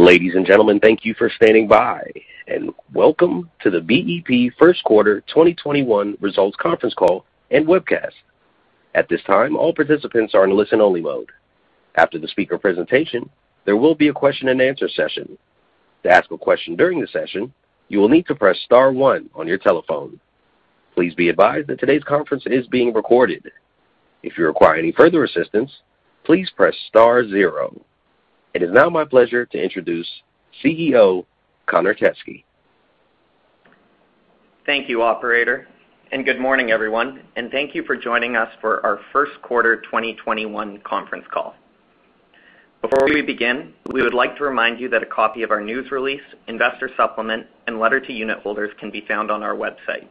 Ladies and gentlemen, thank you for standing by, and welcome to the BEP First Quarter 2021 Results Conference Call and Webcast. It is now my pleasure to introduce CEO Connor Teskey. Thank you, operator, good morning, everyone, thank you for joining us for our first quarter 2021 conference call. Before we begin, we would like to remind you that a copy of our news release, investor supplement, and letter to unit holders can be found on our website.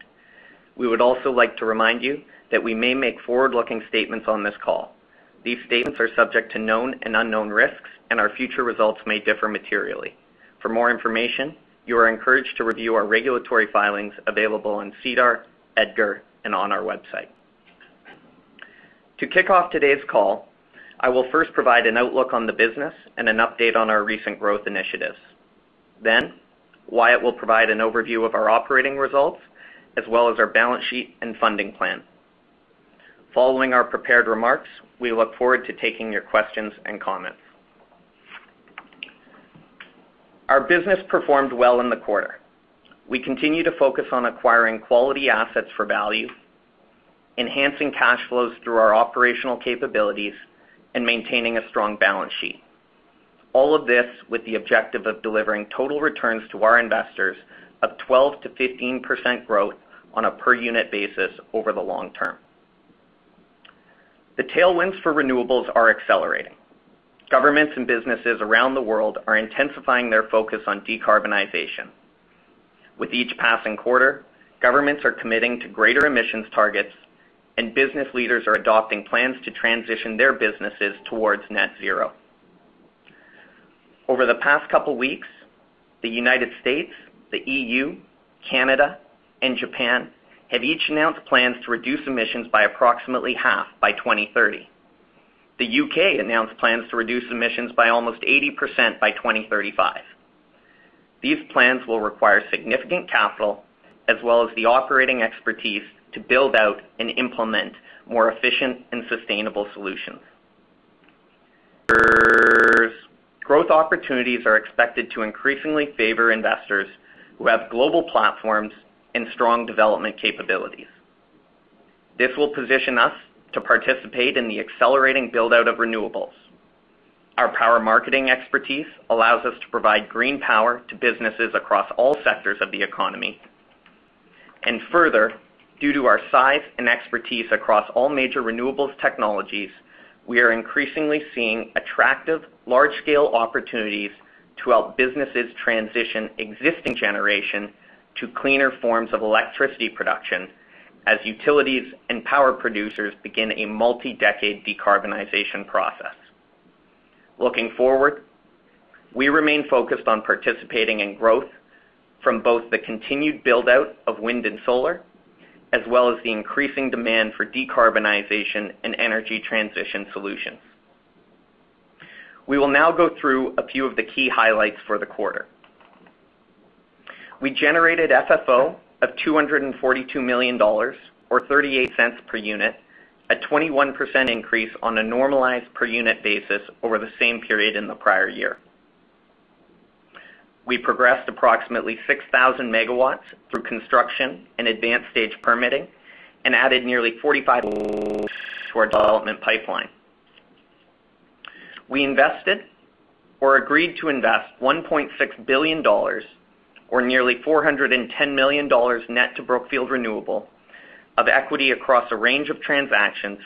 We would also like to remind you that we may make forward-looking statements on this call. These statements are subject to known and unknown risks, our future results may differ materially. For more information, you are encouraged to review our regulatory filings available on SEDAR, EDGAR, and on our website. To kick off today's call, I will first provide an outlook on the business and an update on our recent growth initiatives. Wyatt will provide an overview of our operating results as well as our balance sheet and funding plan. Following our prepared remarks, we look forward to taking your questions and comments. Our business performed well in the quarter. We continue to focus on acquiring quality assets for value, enhancing cash flows through our operational capabilities, and maintaining a strong balance sheet. All of this with the objective of delivering total returns to our investors of 12%-15% growth on a per unit basis over the long term. The tailwinds for renewables are accelerating. Governments and businesses around the world are intensifying their focus on decarbonization. With each passing quarter, governments are committing to greater emissions targets, and business leaders are adopting plans to transition their businesses towards net zero. Over the past couple weeks, the U.S., the EU, Canada, and Japan have each announced plans to reduce emissions by approximately 50% by 2030. The U.K. announced plans to reduce emissions by almost 80% by 2035. These plans will require significant capital as well as the operating expertise to build out and implement more efficient and sustainable solutions. Growth opportunities are expected to increasingly favor investors who have global platforms and strong development capabilities. This will position us to participate in the accelerating build-out of renewables. Our power marketing expertise allows us to provide green power to businesses across all sectors of the economy. Further, due to our size and expertise across all major renewables technologies, we are increasingly seeing attractive large-scale opportunities to help businesses transition existing generation to cleaner forms of electricity production as utilities and power producers begin a multi-decade decarbonization process. Looking forward, we remain focused on participating in growth from both the continued build-out of wind and solar, as well as the increasing demand for decarbonization and energy transition solutions. We will now go through a few of the key highlights for the quarter. We generated FFO of $242 million, or $0.38 per unit, a 21% increase on a normalized per-unit basis over the same period in the prior year. We progressed approximately 6,000 MW through construction and advanced-stage permitting and added nearly [45,000 MW] to our development pipeline. We invested or agreed to invest $1.6 billion, or nearly $410 million net to Brookfield Renewable of equity across a range of transactions,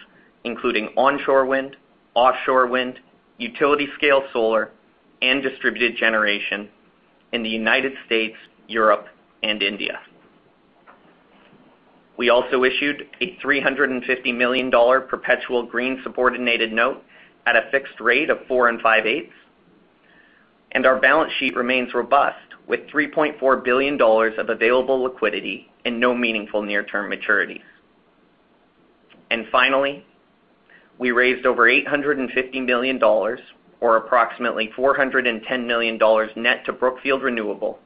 including onshore wind, offshore wind, utility-scale solar, and distributed generation in the U.S., Europe, and India. We also issued a $350 million perpetual green subordinated note at a fixed rate of four and five eighths. Our balance sheet remains robust, with $3.4 billion of available liquidity and no meaningful near-term maturities. Finally, we raised over $850 million, or approximately $410 million net to Brookfield Renewable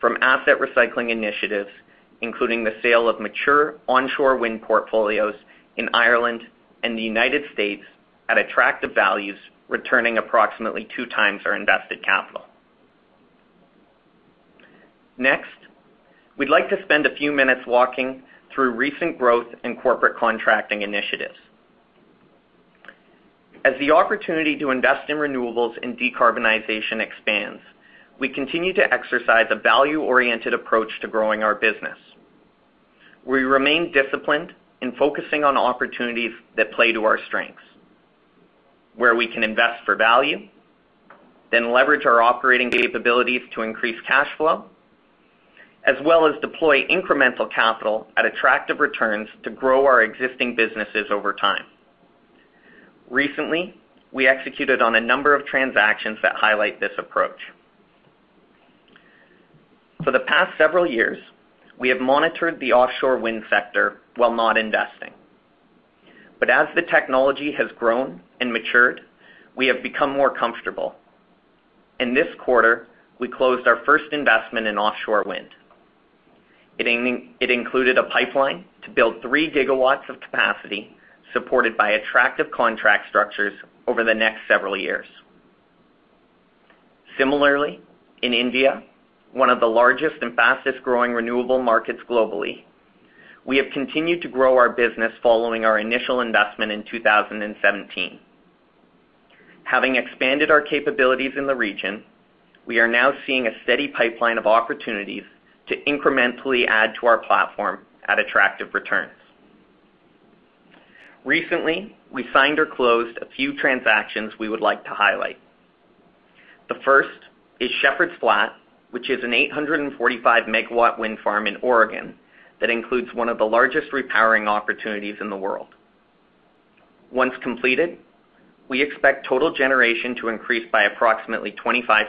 from asset recycling initiatives, including the sale of mature onshore wind portfolios in Ireland and the United States at attractive values, returning approximately 2 times our invested capital. Next, we'd like to spend a few minutes walking through recent growth and corporate contracting initiatives. As the opportunity to invest in renewables and decarbonization expands, we continue to exercise a value-oriented approach to growing our business. We remain disciplined in focusing on opportunities that play to our strengths, where we can invest for value, then leverage our operating capabilities to increase cash flow, as well as deploy incremental capital at attractive returns to grow our existing businesses over time. Recently, we executed on a number of transactions that highlight this approach. For several years, we have monitored the offshore wind sector while not investing. As the technology has grown and matured, we have become more comfortable. In this quarter, we closed our first investment in offshore wind. It included a pipeline to build three gigawatts of capacity, supported by attractive contract structures over the next several years. Similarly, in India, one of the largest and fastest-growing renewable markets globally, we have continued to grow our business following our initial investment in 2017. Having expanded our capabilities in the region, we are now seeing a steady pipeline of opportunities to incrementally add to our platform at attractive returns. Recently, we signed or closed a few transactions we would like to highlight. The first is Shepherds Flat, which is an 845 MW wind farm in Oregon that includes one of the largest repowering opportunities in the world. Once completed, we expect total generation to increase by approximately 25%.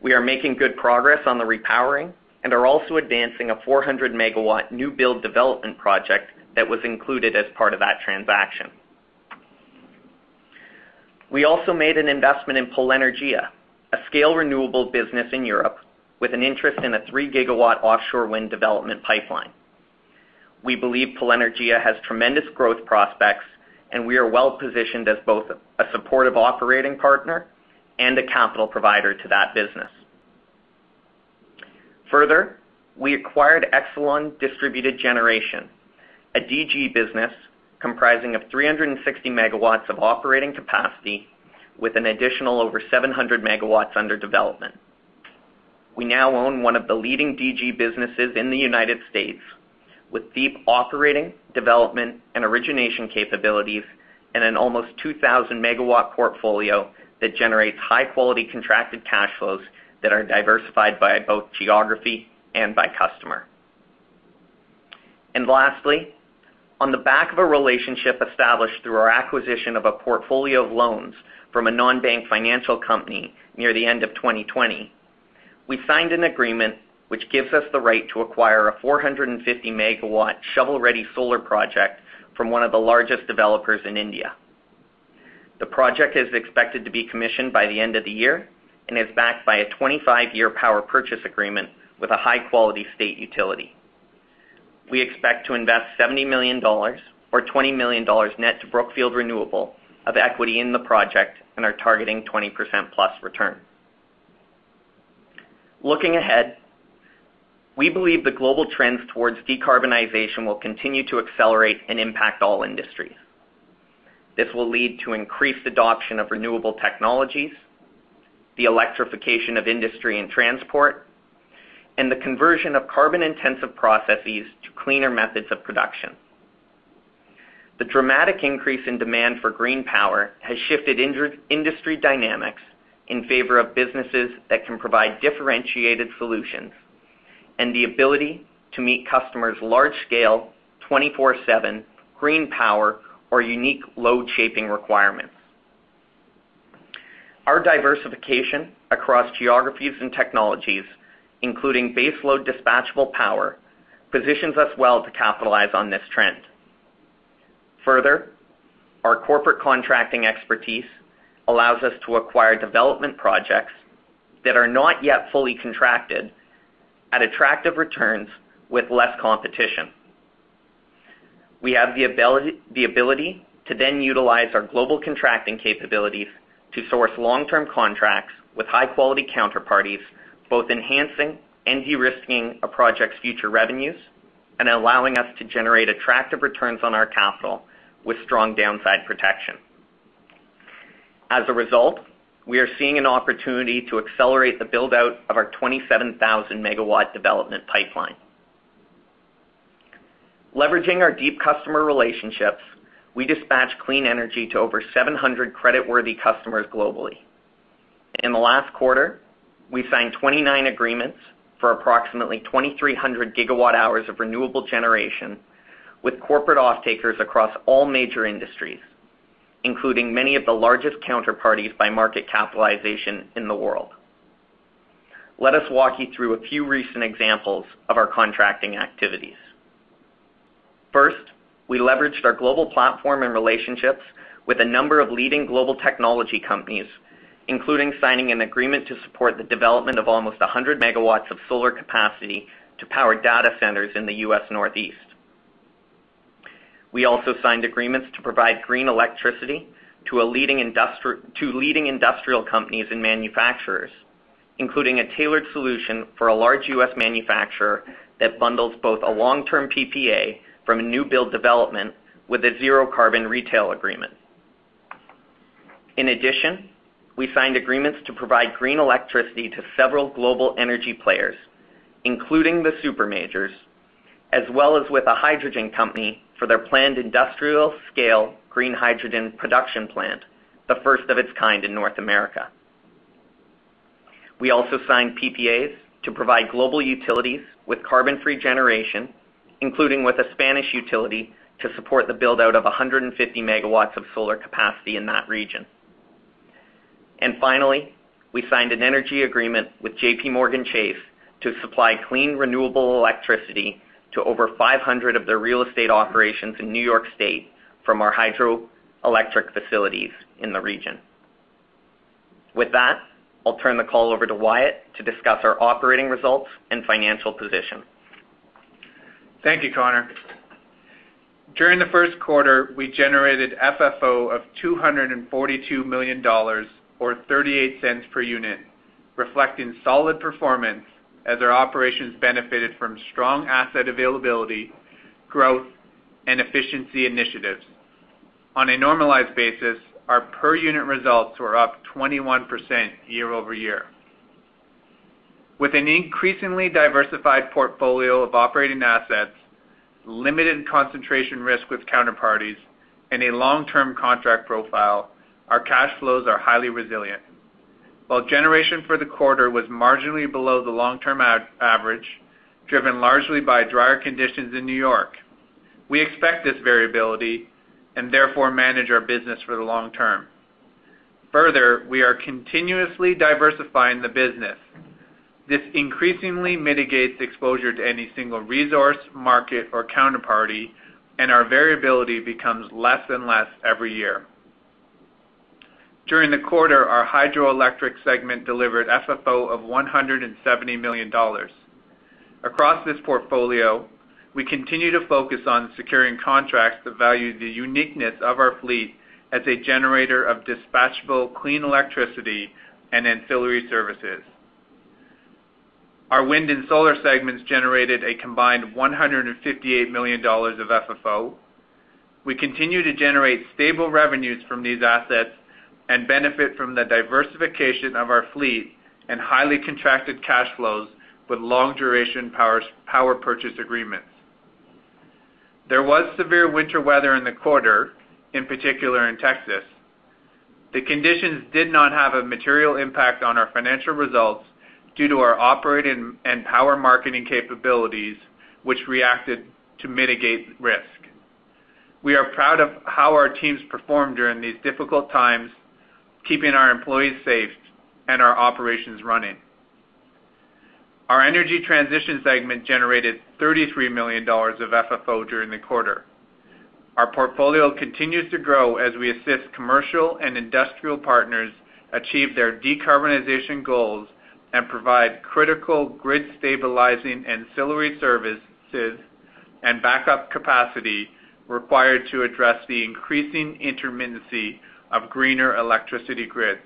We are making good progress on the repowering and are also advancing a 400 MW new build development project that was included as part of that transaction. We also made an investment in Polenergia, a scale renewable business in Europe, with an interest in a 3 GW offshore wind development pipeline. We believe Polenergia has tremendous growth prospects, and we are well-positioned as both a supportive operating partner and a capital provider to that business. Further, we acquired Exelon Distributed Generation, a DG business comprising of 360 MW of operating capacity with an additional over 700 MW under development. We now own one of the leading DG businesses in the U.S. with deep operating, development, and origination capabilities, and an almost 2,000 MW portfolio that generates high-quality contracted cash flows that are diversified by both geography and by customer. Lastly, on the back of a relationship established through our acquisition of a portfolio of loans from a non-bank financial company near the end of 2020, we signed an agreement which gives us the right to acquire a 450-megawatt shovel-ready solar project from one of the largest developers in India. The project is expected to be commissioned by the end of the year and is backed by a 25-year power purchase agreement with a high-quality state utility. We expect to invest $70 million, or $20 million net to Brookfield Renewable of equity in the project and are targeting 20%+ return. Looking ahead, we believe the global trends towards decarbonization will continue to accelerate and impact all industries. This will lead to increased adoption of renewable technologies, the electrification of industry and transport, and the conversion of carbon-intensive processes to cleaner methods of production. The dramatic increase in demand for green power has shifted industry dynamics in favor of businesses that can provide differentiated solutions and the ability to meet customers' large-scale, 24/7 green power or unique load shaping requirements. Our diversification across geographies and technologies, including base load dispatchable power, positions us well to capitalize on this trend. Further, our corporate contracting expertise allows us to acquire development projects that are not yet fully contracted at attractive returns with less competition. We have the ability to then utilize our global contracting capabilities to source long-term contracts with high-quality counterparties, both enhancing and de-risking a project's future revenues and allowing us to generate attractive returns on our capital with strong downside protection. As a result, we are seeing an opportunity to accelerate the build-out of our 27,000 MW development pipeline. Leveraging our deep customer relationships, we dispatch clean energy to over 700 creditworthy customers globally. In the last quarter, we signed 29 agreements for approximately 2,300 GW hours of renewable generation with corporate off-takers across all major industries, including many of the largest counterparties by market capitalization in the world. Let us walk you through a few recent examples of our contracting activities. First, we leveraged our global platform and relationships with a number of leading global technology companies, including signing an agreement to support the development of almost 100 MW of solar capacity to power data centers in the U.S. Northeast. We also signed agreements to provide green electricity to leading industrial companies and manufacturers, including a tailored solution for a large U.S. manufacturer that bundles both a long-term PPA from a new build development with a zero carbon retail agreement. In addition, we signed agreements to provide green electricity to several global energy players, including the super majors, as well as with a hydrogen company for their planned industrial-scale green hydrogen production plant, the first of its kind in North America. We also signed PPAs to provide global utilities with carbon-free generation, including with a Spanish utility to support the build-out of 150 MW of solar capacity in that region. Finally, we signed an energy agreement with JPMorgan Chase to supply clean, renewable electricity to over 500 of their real estate operations in New York State from our hydroelectric facilities in the region. With that, I'll turn the call over to Wyatt to discuss our operating results and financial position. Thank you, Connor. During the first quarter, we generated FFO of $242 million, or $0.38 per unit, reflecting solid performance as our operations benefited from strong asset availability, growth, and efficiency initiatives. On a normalized basis, our per-unit results were up 21% year-over-year. With an increasingly diversified portfolio of operating assets, limited concentration risk with counterparties, and a long-term contract profile, our cash flows are highly resilient. While generation for the quarter was marginally below the long-term average, driven largely by drier conditions in N.Y., we expect this variability and therefore manage our business for the long term. Further, we are continuously diversifying the business. This increasingly mitigates exposure to any single resource, market, or counterparty, and our variability becomes less and less every year. During the quarter, our hydroelectric segment delivered FFO of $170 million. Across this portfolio, we continue to focus on securing contracts that value the uniqueness of our fleet as a generator of dispatchable clean electricity and ancillary services. Our wind and solar segments generated a combined $158 million of FFO. We continue to generate stable revenues from these assets and benefit from the diversification of our fleet and highly contracted cash flows with long-duration power purchase agreements. There was severe winter weather in the quarter, in particular in Texas. The conditions did not have a material impact on our financial results due to our operating and power marketing capabilities, which reacted to mitigate risk. We are proud of how our teams performed during these difficult times, keeping our employees safe and our operations running. Our energy transition segment generated $33 million of FFO during the quarter. Our portfolio continues to grow as we assist commercial and industrial partners achieve their decarbonization goals and provide critical grid-stabilizing ancillary services and backup capacity required to address the increasing intermittency of greener electricity grids.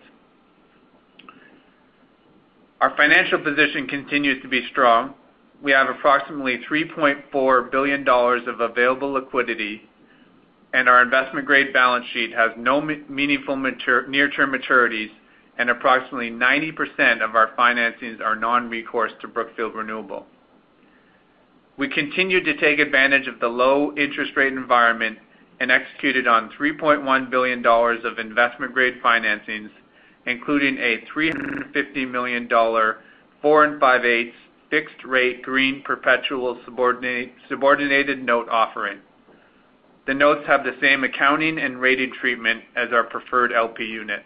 Our financial position continues to be strong. We have approximately $3.4 billion of available liquidity, and our investment-grade balance sheet has no meaningful near-term maturities, and approximately 90% of our financings are non-recourse to Brookfield Renewable. We continued to take advantage of the low interest rate environment and executed on $3.1 billion of investment-grade financings, including a $350 million, four and five-eighths fixed-rate green perpetual subordinated note offering. The notes have the same accounting and rating treatment as our preferred LP units.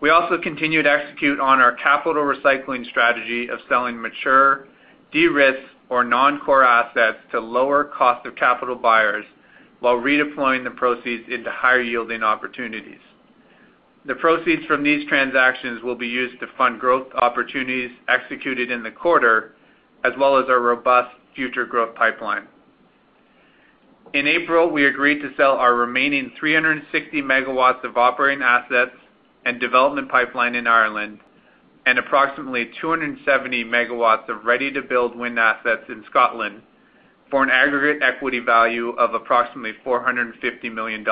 We also continue to execute on our capital recycling strategy of selling mature, de-risked, or non-core assets to lower cost of capital buyers while redeploying the proceeds into higher-yielding opportunities. The proceeds from these transactions will be used to fund growth opportunities executed in the quarter, as well as our robust future growth pipeline. In April, we agreed to sell our remaining 360 megawatts of operating assets and development pipeline in Ireland, approximately 270 MW of ready-to-build wind assets in Scotland for an aggregate equity value of approximately $450 million.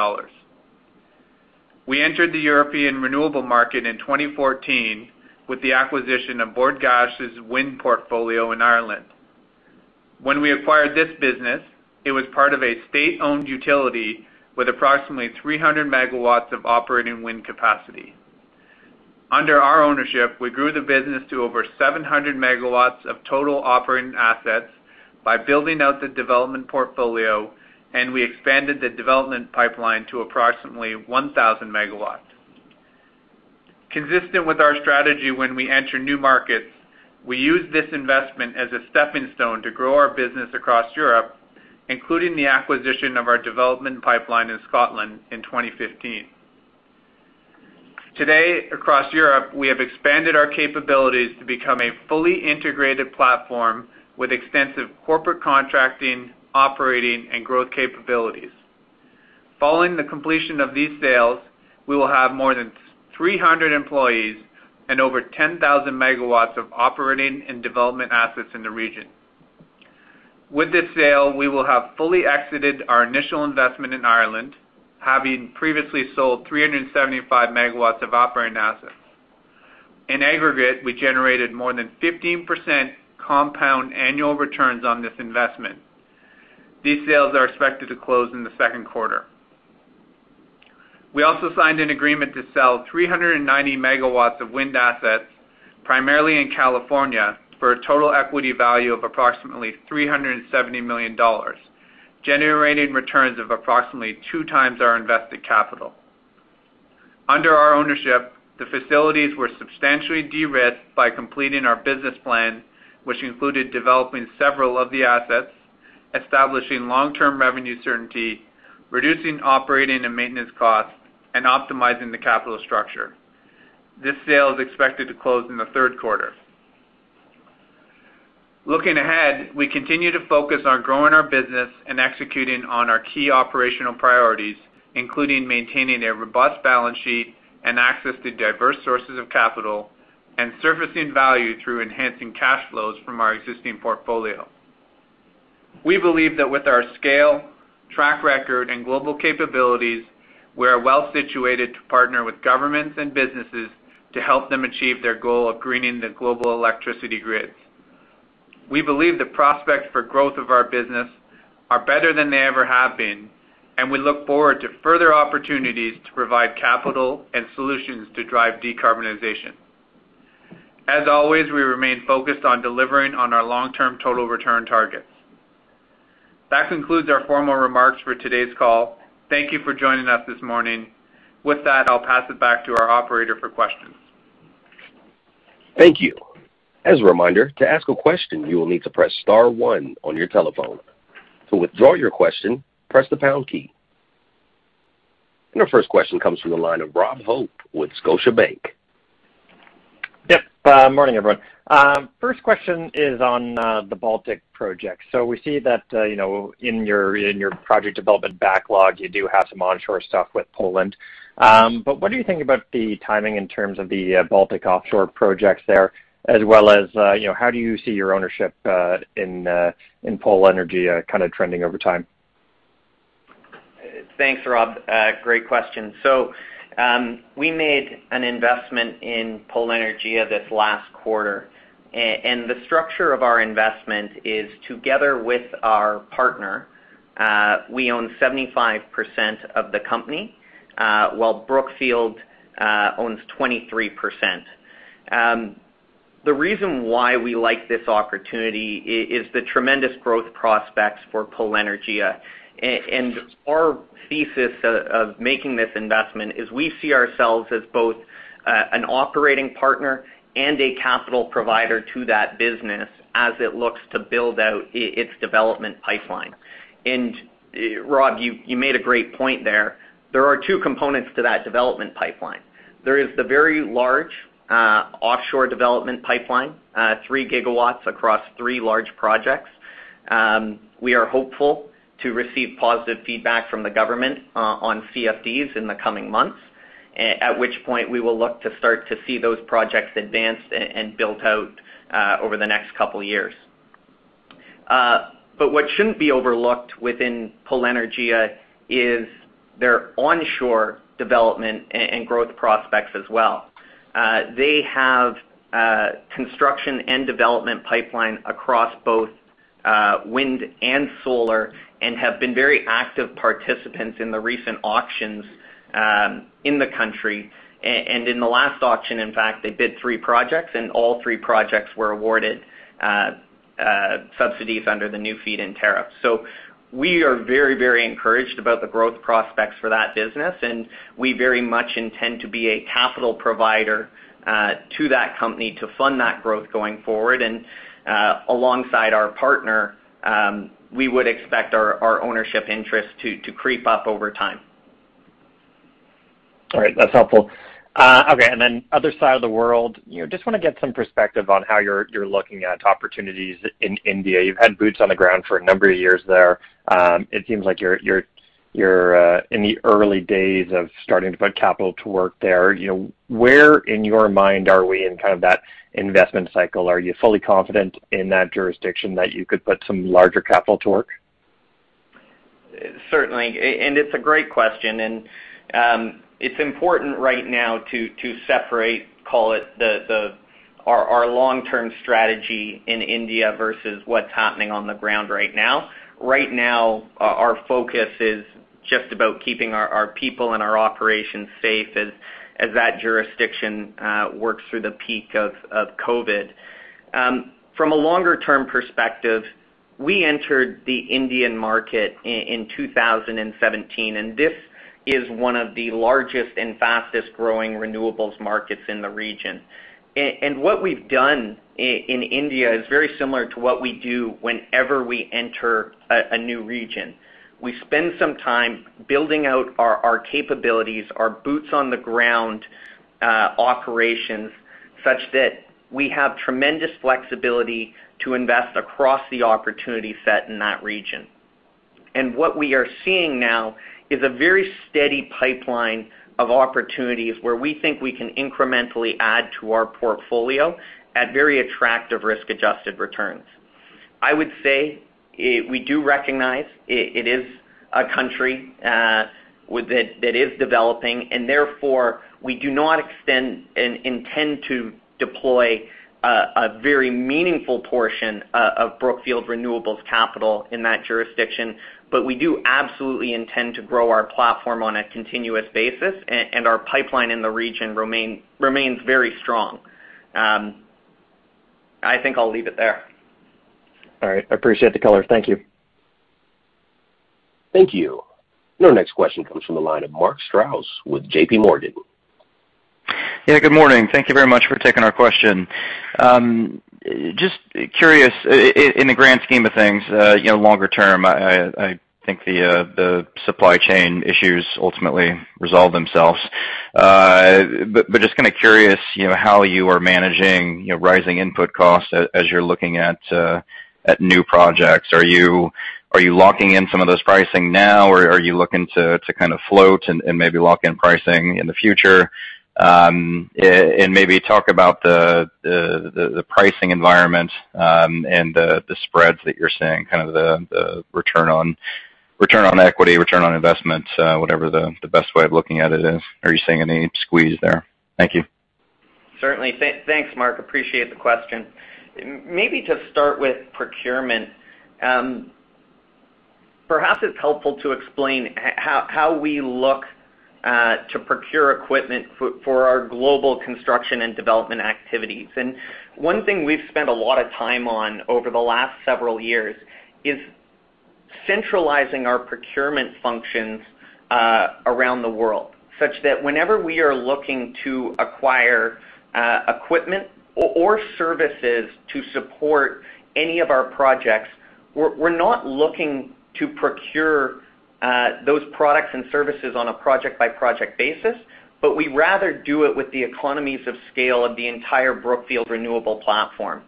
We entered the European renewable market in 2014 with the acquisition of Bord Gáis' wind portfolio in Ireland. When we acquired this business, it was part of a state-owned utility with approximately 300 MW of operating wind capacity. Under our ownership, we grew the business to over 700 MW of total operating assets by building out the development portfolio, and we expanded the development pipeline to approximately 1,000 MW. Consistent with our strategy when we enter new markets, we use this investment as a stepping stone to grow our business across Europe, including the acquisition of our development pipeline in Scotland in 2015. Today, across Europe, we have expanded our capabilities to become a fully integrated platform with extensive corporate contracting, operating, and growth capabilities. Following the completion of these sales, we will have more than 300 employees and over 10,000 MW of operating and development assets in the region. With this sale, we will have fully exited our initial investment in Ireland, having previously sold 375 MW of operating assets. In aggregate, we generated more than 15% compound annual returns on this investment. These sales are expected to close in the second quarter. We also signed an agreement to sell 390 MW of wind assets, primarily in California, for a total equity value of approximately $370 million, generating returns of approximately two times our invested capital. Under our ownership, the facilities were substantially de-risked by completing our business plan, which included developing several of the assets, establishing long-term revenue certainty, reducing operating and maintenance costs, and optimizing the capital structure. This sale is expected to close in the third quarter. Looking ahead, we continue to focus on growing our business and executing on our key operational priorities, including maintaining a robust balance sheet and access to diverse sources of capital, and surfacing value through enhancing cash flows from our existing portfolio. We believe that with our scale, track record and global capabilities, we are well-situated to partner with governments and businesses to help them achieve their goal of greening the global electricity grids. We believe the prospects for growth of our business are better than they ever have been, and we look forward to further opportunities to provide capital and solutions to drive decarbonization. As always, we remain focused on delivering on our long-term total return targets. That concludes our formal remarks for today's call. Thank you for joining us this morning. With that, I'll pass it back to our operator for questions. Thank you. As a reminder, to ask a question, you will need to press star one on your telephone. To widraw your question, press the pound key. Our first question comes from the line of Rob Hope with Scotiabank. Yep. Morning, everyone. First question is on the Baltic project. We see that in your project development backlog, you do have some onshore stuff with Poland. What do you think about the timing in terms of the Baltic offshore projects there, as well as how do you see your ownership in Polenergia trending over time? Thanks, Rob. Great question. We made an investment in Polenergia this last quarter. The structure of our investment is together with our partner. We own 75% of the company, while Brookfield owns 23%. The reason why we like this opportunity is the tremendous growth prospects for Polenergia. Our thesis of making this investment is we see ourselves as both an operating partner and a capital provider to that business as it looks to build out its development pipeline. Rob, you made a great point there. There are two components to that development pipeline. There is the very large offshore development pipeline, 3 GW across three large projects. We are hopeful to receive positive feedback from the government on CFDs in the coming months, at which point we will look to start to see those projects advanced and built out over the next couple of years. What shouldn't be overlooked within Polenergia is their onshore development and growth prospects as well. They have construction and development pipeline across both wind and solar, and have been very active participants in the recent auctions in the country. In the last auction, in fact, they bid three projects, and all three projects were awarded subsidies under the new feed-in tariff. We are very encouraged about the growth prospects for that business, and we very much intend to be a capital provider to that company to fund that growth going forward. Alongside our partner, we would expect our ownership interest to creep up over time. All right. That's helpful. Okay, other side of the world. Just want to get some perspective on how you're looking at opportunities in India. You've had boots on the ground for a number of years there. It seems like you're in the early days of starting to put capital to work there. Where in your mind are we in that investment cycle? Are you fully confident in that jurisdiction that you could put some larger capital to work? Certainly. It's a great question, and it's important right now to separate, call it, our long-term strategy in India versus what's happening on the ground right now. Right now, our focus is just about keeping our people and our operations safe as that jurisdiction works through the peak of COVID. From a longer-term perspective, we entered the Indian market in 2017, and this is one of the largest and fastest-growing renewables markets in the region. What we've done in India is very similar to what we do whenever we enter a new region. We spend some time building out our capabilities, our boots on the ground operations, such that we have tremendous flexibility to invest across the opportunity set in that region. What we are seeing now is a very steady pipeline of opportunities where we think we can incrementally add to our portfolio at very attractive risk-adjusted returns. I would say we do recognize it is a country that is developing, therefore, we do not intend to deploy a very meaningful portion of Brookfield Renewable's capital in that jurisdiction. We do absolutely intend to grow our platform on a continuous basis, and our pipeline in the region remains very strong. I think I'll leave it there. All right. I appreciate the color. Thank you. Thank you. Your next question comes from the line of Mark Strouse with JPMorgan. Yeah, good morning. Thank you very much for taking our question. Just curious, in the grand scheme of things, longer term, I think the supply chain issues ultimately resolve themselves. Just kind of curious, how you are managing rising input costs as you're looking at new projects. Are you locking in some of those pricing now, or are you looking to kind of float and maybe lock in pricing in the future? Maybe talk about the pricing environment, and the spreads that you're seeing, kind of the return on equity, return on investments, whatever the best way of looking at it is. Are you seeing any squeeze there? Thank you. Certainly. Thanks, Mark. Appreciate the question. Maybe to start with procurement. Perhaps it's helpful to explain how we look to procure equipment for our global construction and development activities. One thing we've spent a lot of time on over the last several years is centralizing our procurement functions around the world, such that whenever we are looking to acquire equipment or services to support any of our projects, we're not looking to procure those products and services on a project-by-project basis, but we'd rather do it with the economies of scale of the entire Brookfield Renewable platform.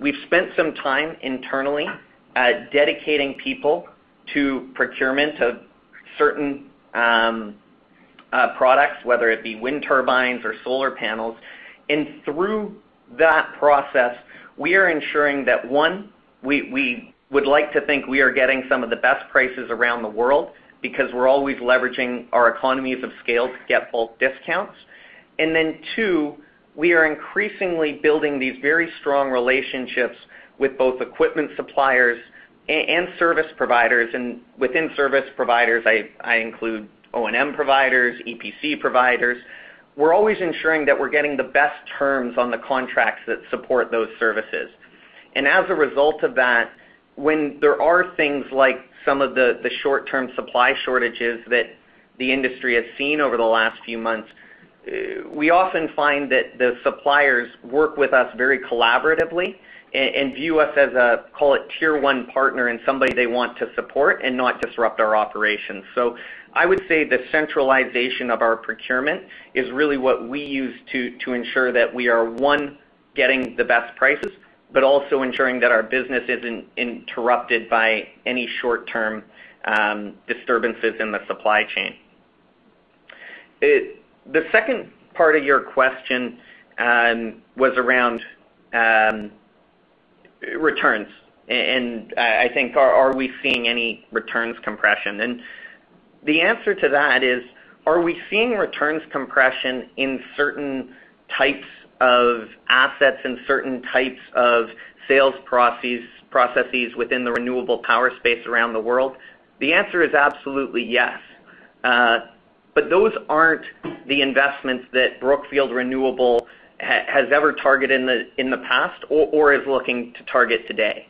We've spent some time internally at dedicating people to procurement of certain products, whether it be wind turbines or solar panels. Through that process, we are ensuring that, one, we would like to think we are getting some of the best prices around the world because we're always leveraging our economies of scale to get bulk discounts. Two, we are increasingly building these very strong relationships with both equipment suppliers and service providers. Within service providers, I include O&M providers, EPC providers. We're always ensuring that we're getting the best terms on the contracts that support those services. As a result of that, when there are things like some of the short-term supply shortages that the industry has seen over the last few months, we often find that the suppliers work with us very collaboratively and view us as a, call it Tier 1 partner and somebody they want to support and not disrupt our operations. I would say the centralization of our procurement is really what we use to ensure that we are, one, getting the best prices, but also ensuring that our business isn't interrupted by any short-term disturbances in the supply chain. The second part of your question was around returns. I think, are we seeing any returns compression? The answer to that is, are we seeing returns compression in certain types of assets and certain types of sales processes within the renewable power space around the world? The answer is absolutely yes. Those aren't the investments that Brookfield Renewable has ever targeted in the past or is looking to target today.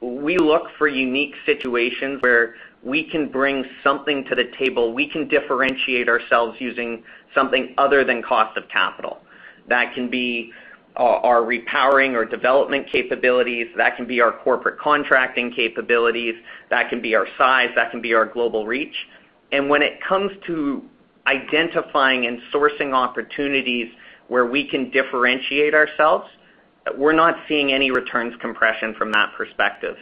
We look for unique situations where we can bring something to the table. We can differentiate ourselves using something other than cost of capital. That can be our repowering or development capabilities. That can be our corporate contracting capabilities. That can be our size. That can be our global reach. When it comes to identifying and sourcing opportunities where we can differentiate ourselves, we're not seeing any returns compression from that perspective.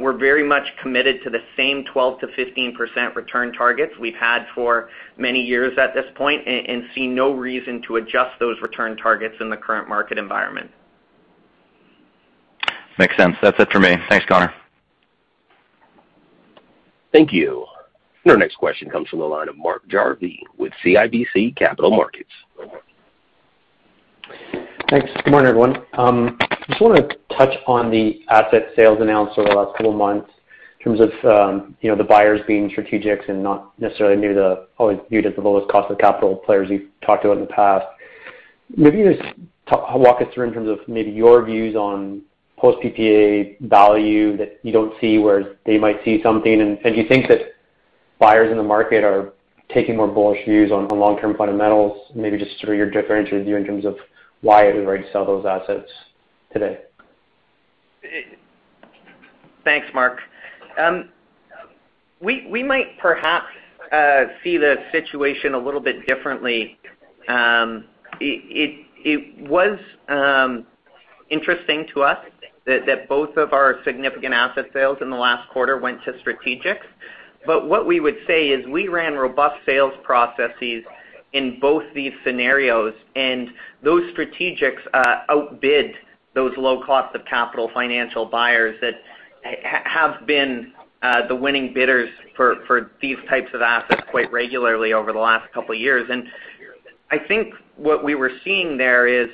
We're very much committed to the same 12%-15% return targets we've had for many years at this point, and see no reason to adjust those return targets in the current market environment. Makes sense. That's it for me. Thanks, Connor. Thank you. Our next question comes from the line of Mark Jarvi with CIBC Capital Markets. Thanks. Good morning, everyone. Just want to touch on the asset sales announced over the last couple of months in terms of the buyers being strategics and not necessarily always viewed as the lowest cost of capital players you've talked about in the past. Maybe just walk us through in terms of maybe your views on post-PPA value that you don't see where they might see something. Do you think that buyers in the market are taking more bullish views on long-term fundamentals? Maybe just sort of your differentiated view in terms of why it was ready to sell those assets today? Thanks, Mark. We might perhaps see the situation a little bit differently. It was interesting to us that both of our significant asset sales in the last quarter went to strategics. What we would say is we ran robust sales processes in both these scenarios, and those strategics outbid those low cost of capital financial buyers that have been the winning bidders for these types of assets quite regularly over the last couple of years. I think what we were seeing there is,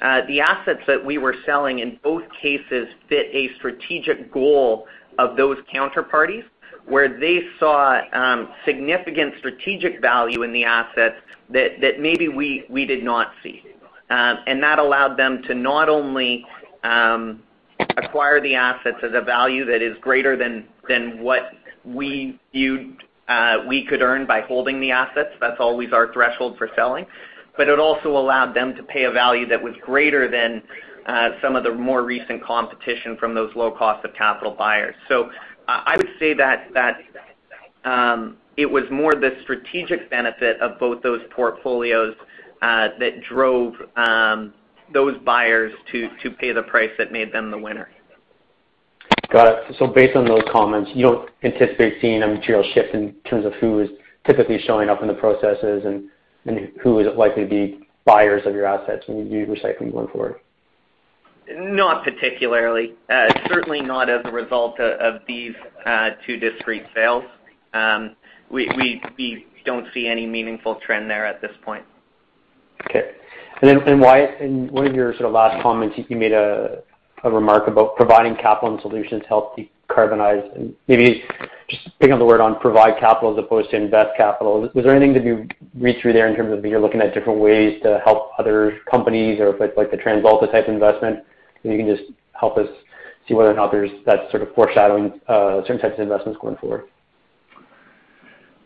the assets that we were selling, in both cases, fit a strategic goal of those counterparties. Where they saw significant strategic value in the assets that maybe we did not see. That allowed them to not only acquire the assets at a value that is greater than what we could earn by holding the assets, that's always our threshold for selling, but it also allowed them to pay a value that was greater than some of the more recent competition from those low cost of capital buyers. I would say that it was more the strategic benefit of both those portfolios that drove those buyers to pay the price that made them the winner. Got it. Based on those comments, you don't anticipate seeing a material shift in terms of who is typically showing up in the processes and who is likely to be buyers of your assets when you recycle going forward? Not particularly. Certainly not as a result of these two discrete sales. We don't see any meaningful trend there at this point. Wyatt, in one of your last comments, you made a remark about providing capital and solutions to help decarbonize. Maybe just picking up the word on provide capital as opposed to invest capital, was there anything that you read through there in terms of you're looking at different ways to help other companies or if, like the TransAlta type investment? Can you just help us see whether or not there's that sort of foreshadowing certain types of investments going forward?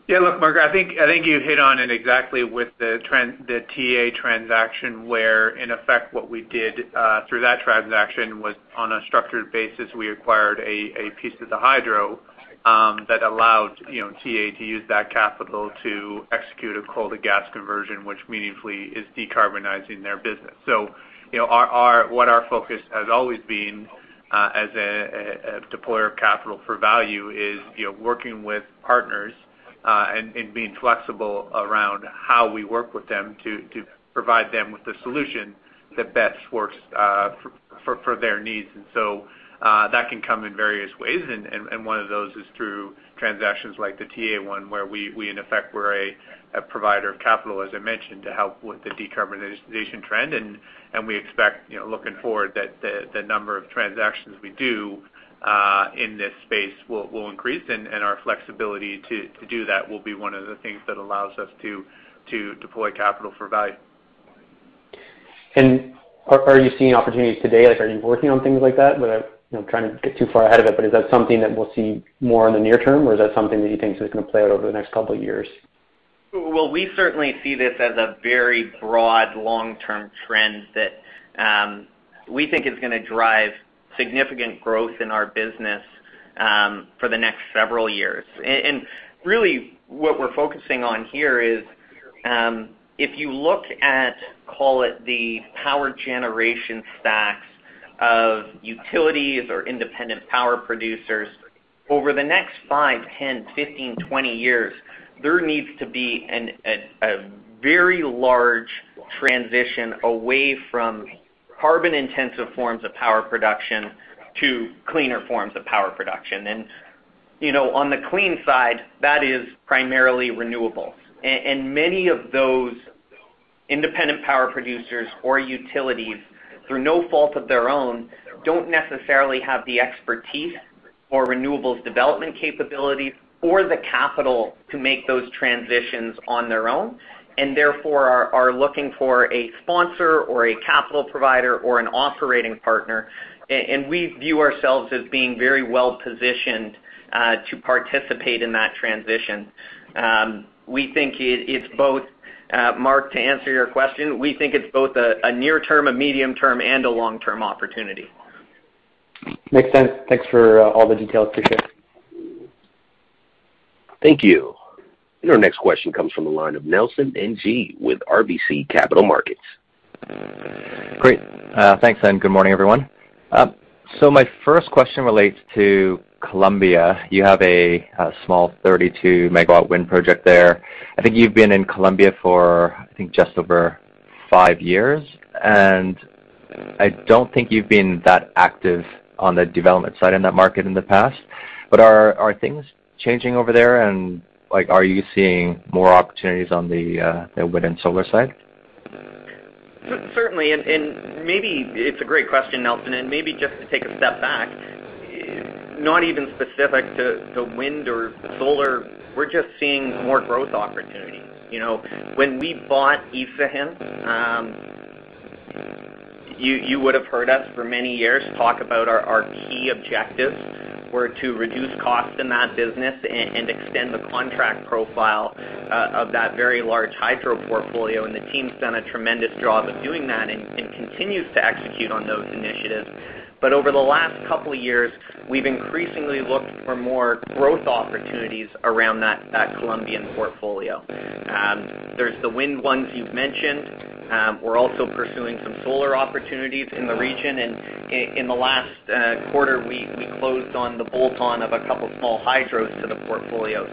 Yeah, look, Mark, I think you hit on it exactly with the TA transaction where, in effect, what we did through that transaction was on a structured basis, we acquired a piece of the hydro that allowed TA to use that capital to execute a coal to gas conversion, which meaningfully is decarbonizing their business. What our focus has always been, as a deployer of capital for value is working with partners, and being flexible around how we work with them to provide them with the solution that best works for their needs. That can come in various ways, and one of those is through transactions like the TA one where we in effect, we're a provider of capital, as I mentioned, to help with the decarbonization trend. We expect, looking forward, that the number of transactions we do in this space will increase, and our flexibility to do that will be one of the things that allows us to deploy capital for value. Are you seeing opportunities today? Are you working on things like that? Without trying to get too far ahead of it, is that something that we'll see more in the near term, or is that something that you think is going to play out over the next couple of years? Well, we certainly see this as a very broad, long-term trend that we think is going to drive significant growth in our business for the next several years. Really what we're focusing on here is, if you look at, call it, the power generation stacks of utilities or independent power producers over the next five, 10, 15, 20 years, there needs to be a very large transition away from carbon-intensive forms of power production to cleaner forms of power production. On the clean side, that is primarily renewable. Many of those independent power producers or utilities, through no fault of their own, don't necessarily have the expertise or renewables development capabilities or the capital to make those transitions on their own, and therefore are looking for a sponsor or a capital provider or an operating partner. We view ourselves as being very well-positioned to participate in that transition. Mark, to answer your question, we think it's both a near-term, a medium-term, and a long-term opportunity. Makes sense. Thanks for all the details, appreciate it. Thank you. Our next question comes from the line of Nelson Ng with RBC Capital Markets. Great. Thanks, good morning, everyone. My first question relates to Colombia. You have a small 32 MW wind project there. I think you've been in Colombia for, I think, just over five years, and I don't think you've been that active on the development side in that market in the past. Are things changing over there, and are you seeing more opportunities on the wind and solar side? Certainly. It's a great question, Nelson. Maybe just to take a step back, not even specific to wind or solar, we're just seeing more growth opportunities. When we bought Isagen, you would have heard us for many years talk about our key objectives were to reduce costs in that business and extend the contract profile of that very large hydro portfolio, and the team's done a tremendous job of doing that, and continues to execute on those initiatives. Over the last couple of years, we've increasingly looked for more growth opportunities around that Colombian portfolio. There's the wind ones you've mentioned. We're also pursuing some solar opportunities in the region. In the last quarter, we closed on the bolt-on of a couple small hydros to the portfolio.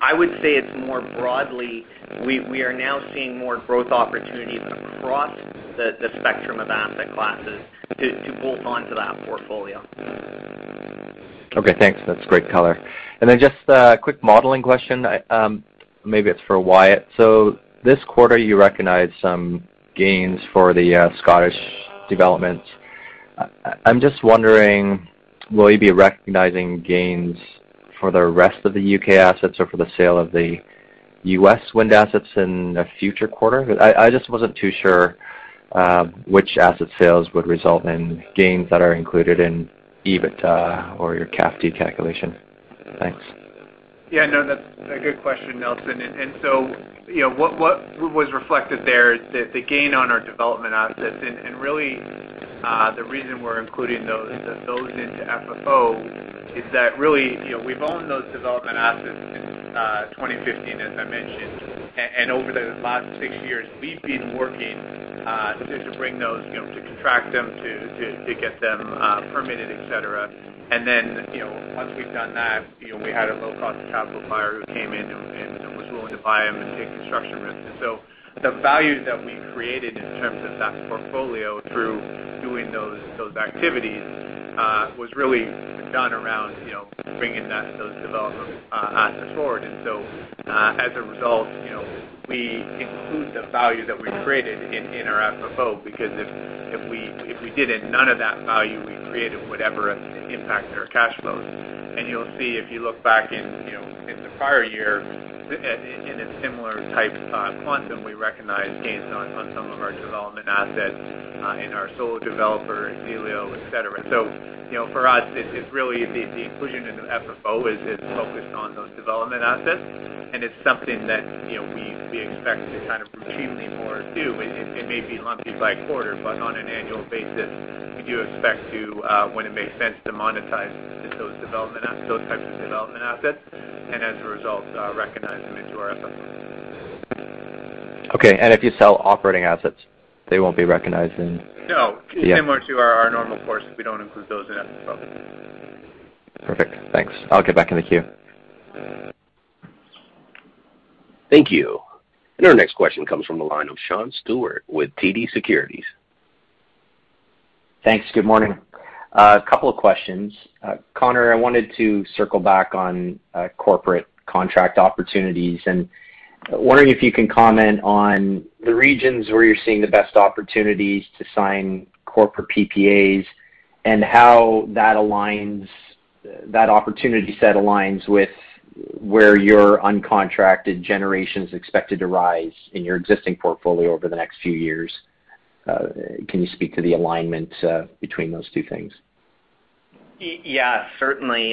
I would say it's more broadly, we are now seeing more growth opportunities across the spectrum of asset classes to bolt onto that portfolio. Okay, thanks. That's great color. Just a quick modeling question. Maybe it's for Wyatt. This quarter, you recognized some gains for the Scottish developments. I'm just wondering, will you be recognizing gains for the rest of the U.K. assets or for the sale of the U.S. wind assets in a future quarter? I just wasn't too sure which asset sales would result in gains that are included in EBITDA or your CAFD calculation. Thanks. Yeah, no, that's a good question, Nelson. What was reflected there is the gain on our development assets. Really, the reason we're including those into FFO is that really we've owned those development assets since 2015, as I mentioned. Over the last six years, we've been working to bring those, to contract them, to get them permitted, et cetera. Once we've done that, we had a low-cost capital buyer who came in and was willing to buy them and take construction risk. The value that we created in terms of that portfolio through doing those activities was really done around bringing those development assets forward. As a result, we include the value that we've created in our FFO because if we didn't, none of that value we created would ever impact our cash flows. You'll see if you look back in the prior year, in a similar type quantum, we recognized gains on some of our development assets in our solar developer, X-Elio, et cetera. For us, it's really the inclusion into FFO is it's focused on those development assets, and it's something that we expect to kind of routinely more do. It may be lumpy by quarter, but on an annual basis, we do expect to, when it makes sense to monetize those types of development assets, and as a result, recognize them into our FFO. Okay, if you sell operating assets, they won't be recognized in- No. Yeah. Similar to our normal course, we don't include those in FFO. Perfect, thanks. I'll get back in the queue. Thank you. Our next question comes from the line of Sean Steuart with TD Securities. Thanks. Good morning. A couple of questions. Connor, I wanted to circle back on corporate contract opportunities, and wondering if you can comment on the regions where you're seeing the best opportunities to sign corporate PPAs, and how that opportunity set aligns with where your uncontracted generation's expected to rise in your existing portfolio over the next few years. Can you speak to the alignment between those two things? Yeah, certainly.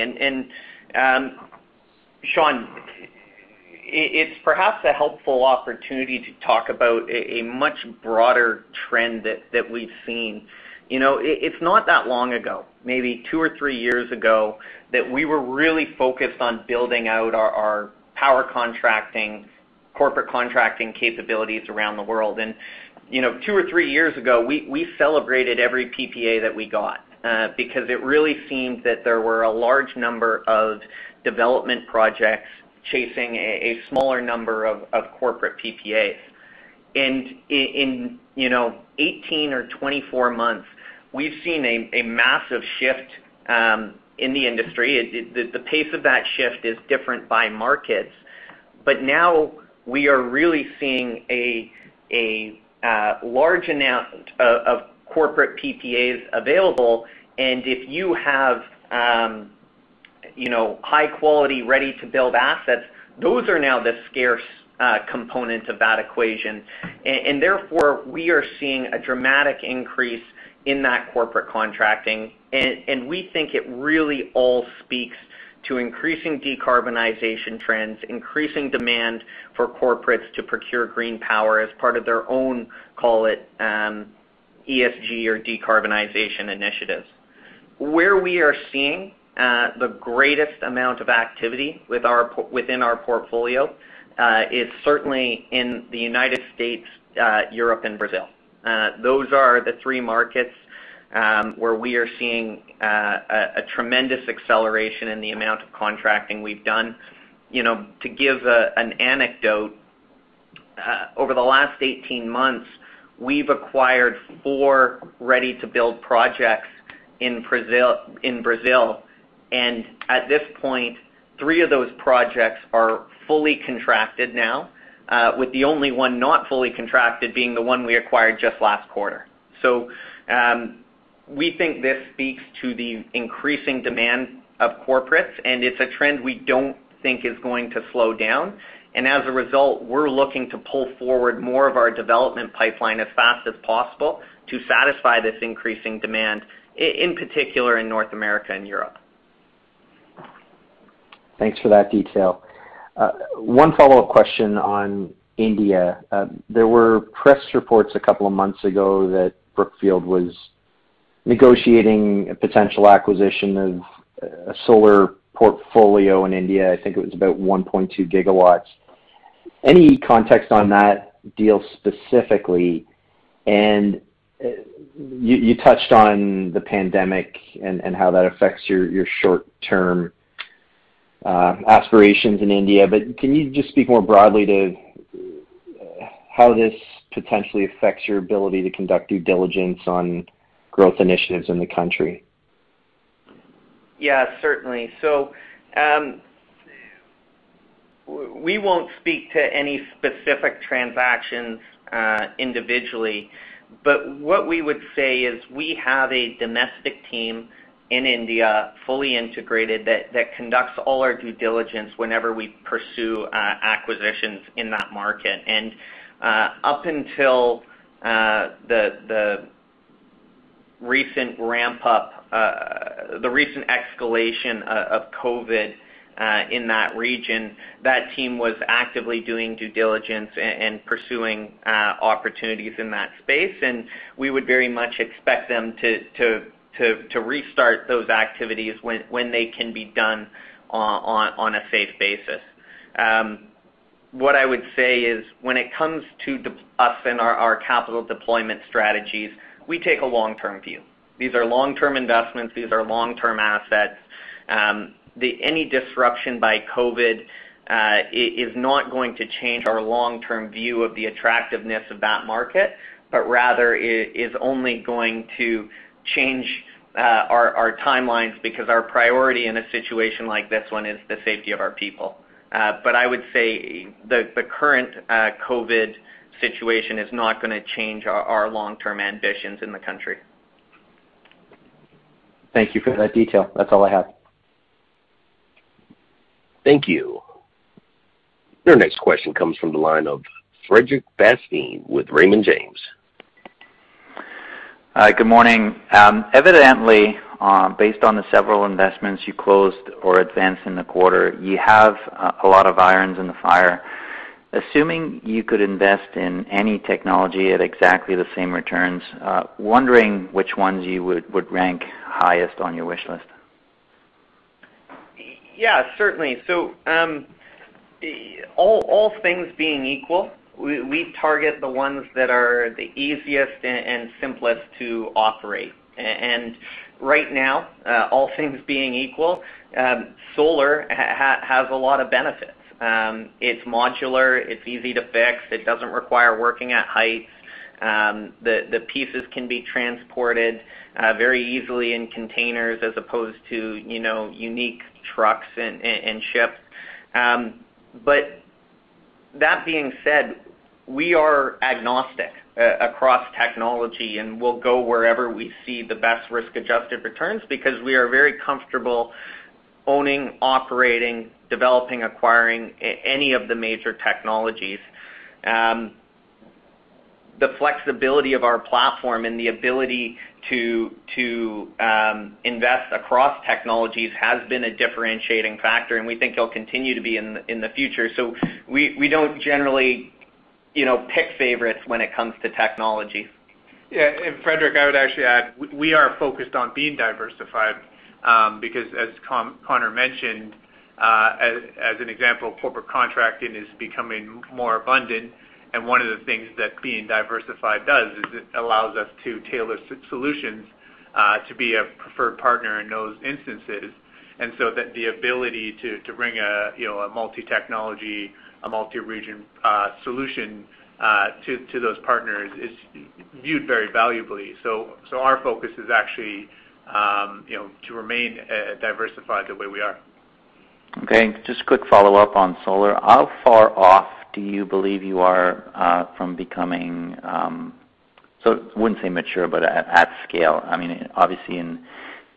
Sean, it's perhaps a helpful opportunity to talk about a much broader trend that we've seen. It's not that long ago, maybe two or three years ago, that we were really focused on building out our power contracting, corporate contracting capabilities around the world. Two or three years ago, we celebrated every PPA that we got. Because it really seemed that there were a large number of development projects chasing a smaller number of corporate PPAs. In 18 or 24 months, we've seen a massive shift in the industry. The pace of that shift is different by markets. Now we are really seeing a large amount of corporate PPAs available, and if you have high-quality, ready-to-build assets, those are now the scarce components of that equation. Therefore, we are seeing a dramatic increase in that corporate contracting, and we think it really all speaks to increasing decarbonization trends, increasing demand for corporates to procure green power as part of their own, call it, ESG or decarbonization initiatives. Where we are seeing the greatest amount of activity within our portfolio is certainly in the U.S., Europe, and Brazil. Those are the three markets where we are seeing a tremendous acceleration in the amount of contracting we've done. To give an anecdote, over the last 18 months, we've acquired four ready-to-build projects in Brazil. At this point, three of those projects are fully contracted now, with the only one not fully contracted being the one we acquired just last quarter. We think this speaks to the increasing demand of corporates, and it's a trend we don't think is going to slow down. As a result, we're looking to pull forward more of our development pipeline as fast as possible to satisfy this increasing demand, in particular in North America and Europe. Thanks for that detail. One follow-up question on India. There were press reports a couple of months ago that Brookfield was negotiating a potential acquisition of a solar portfolio in India. I think it was about 1.2 GW. Any context on that deal specifically? You touched on the pandemic and how that affects your short-term aspirations in India, but can you just speak more broadly to how this potentially affects your ability to conduct due diligence on growth initiatives in the country? Yeah, certainly. We won't speak to any specific transactions individually. What we would say is we have a domestic team in India, fully integrated, that conducts all our due diligence whenever we pursue acquisitions in that market. Up until the recent escalation of COVID in that region, that team was actively doing due diligence and pursuing opportunities in that space, and we would very much expect them to restart those activities when they can be done on a safe basis. What I would say is when it comes to us and our capital deployment strategies, we take a long-term view. These are long-term investments. These are long-term assets. Any disruption by COVID is not going to change our long-term view of the attractiveness of that market, but rather is only going to change our timelines because our priority in a situation like this one is the safety of our people. I would say the current COVID situation is not going to change our long-term ambitions in the country. Thank you for that detail. That's all I have. Thank you. Your next question comes from the line of Frederic Bastien with Raymond James. Good morning. Evidently, based on the several investments you closed or advanced in the quarter, you have a lot of irons in the fire. Assuming you could invest in any technology at exactly the same returns, wondering which ones you would rank highest on your wish list? Yeah, certainly. All things being equal, we target the ones that are the easiest and simplest to operate. Right now, all things being equal, solar has a lot of benefits. It's modular, it's easy to fix, it doesn't require working at heights. The pieces can be transported very easily in containers as opposed to unique trucks and ships. That being said, we are agnostic across technology, and we'll go wherever we see the best risk-adjusted returns because we are very comfortable owning, operating, developing, acquiring any of the major technologies. The flexibility of our platform and the ability to invest across technologies has been a differentiating factor, and we think it'll continue to be in the future. We don't generally pick favorites when it comes to technology. Yeah. Frederic, I would actually add, we are focused on being diversified, because as Connor mentioned, as an example, corporate contracting is becoming more abundant, and one of the things that being diversified does is it allows us to tailor solutions to be a preferred partner in those instances. The ability to bring a multi-technology, a multi-region solution to those partners is viewed very valuably. Our focus is actually to remain diversified the way we are. Okay. Just a quick follow-up on solar. How far off do you believe you are from becoming, so I wouldn't say mature, but at scale? Obviously, in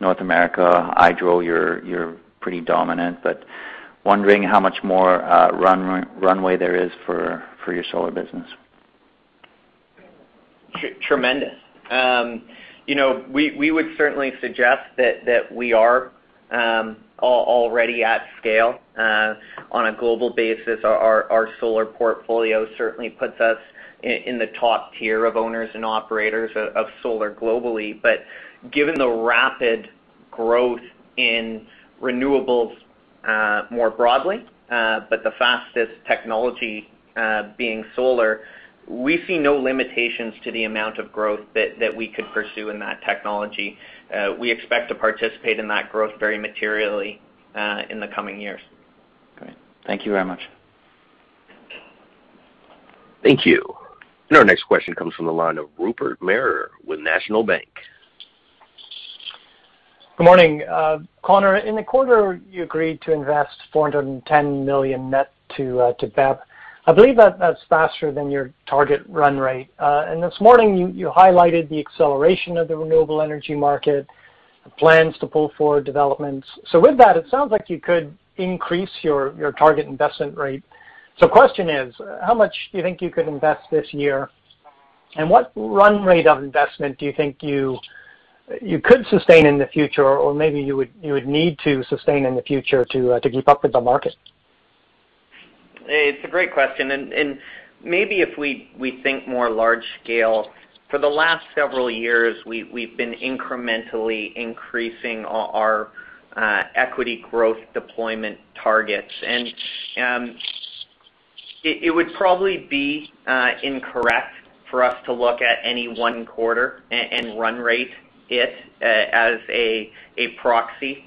North America, hydro, you're pretty dominant, but wondering how much more runway there is for your solar business? Tremendous. We would certainly suggest that we are already at scale. On a global basis, our solar portfolio certainly puts us in the top tier of owners and operators of solar globally. Given the rapid growth in renewables more broadly, but the fastest technology being solar, we see no limitations to the amount of growth that we could pursue in that technology. We expect to participate in that growth very materially in the coming years. Great. Thank you very much. Thank you. Our next question comes from the line of Rupert Merer with National Bank. Good morning. Connor, in the quarter, you agreed to invest $410 million net to BEP. I believe that's faster than your target run rate. This morning, you highlighted the acceleration of the renewable energy market, the plans to pull forward developments. With that, it sounds like you could increase your target investment rate. Question is, how much do you think you could invest this year, and what run rate of investment do you think you could sustain in the future, or maybe you would need to sustain in the future to keep up with the market? It's a great question. Maybe if we think more large scale. For the last several years, we've been incrementally increasing our equity growth deployment targets. It would probably be incorrect for us to look at any one quarter and run rate it as a proxy.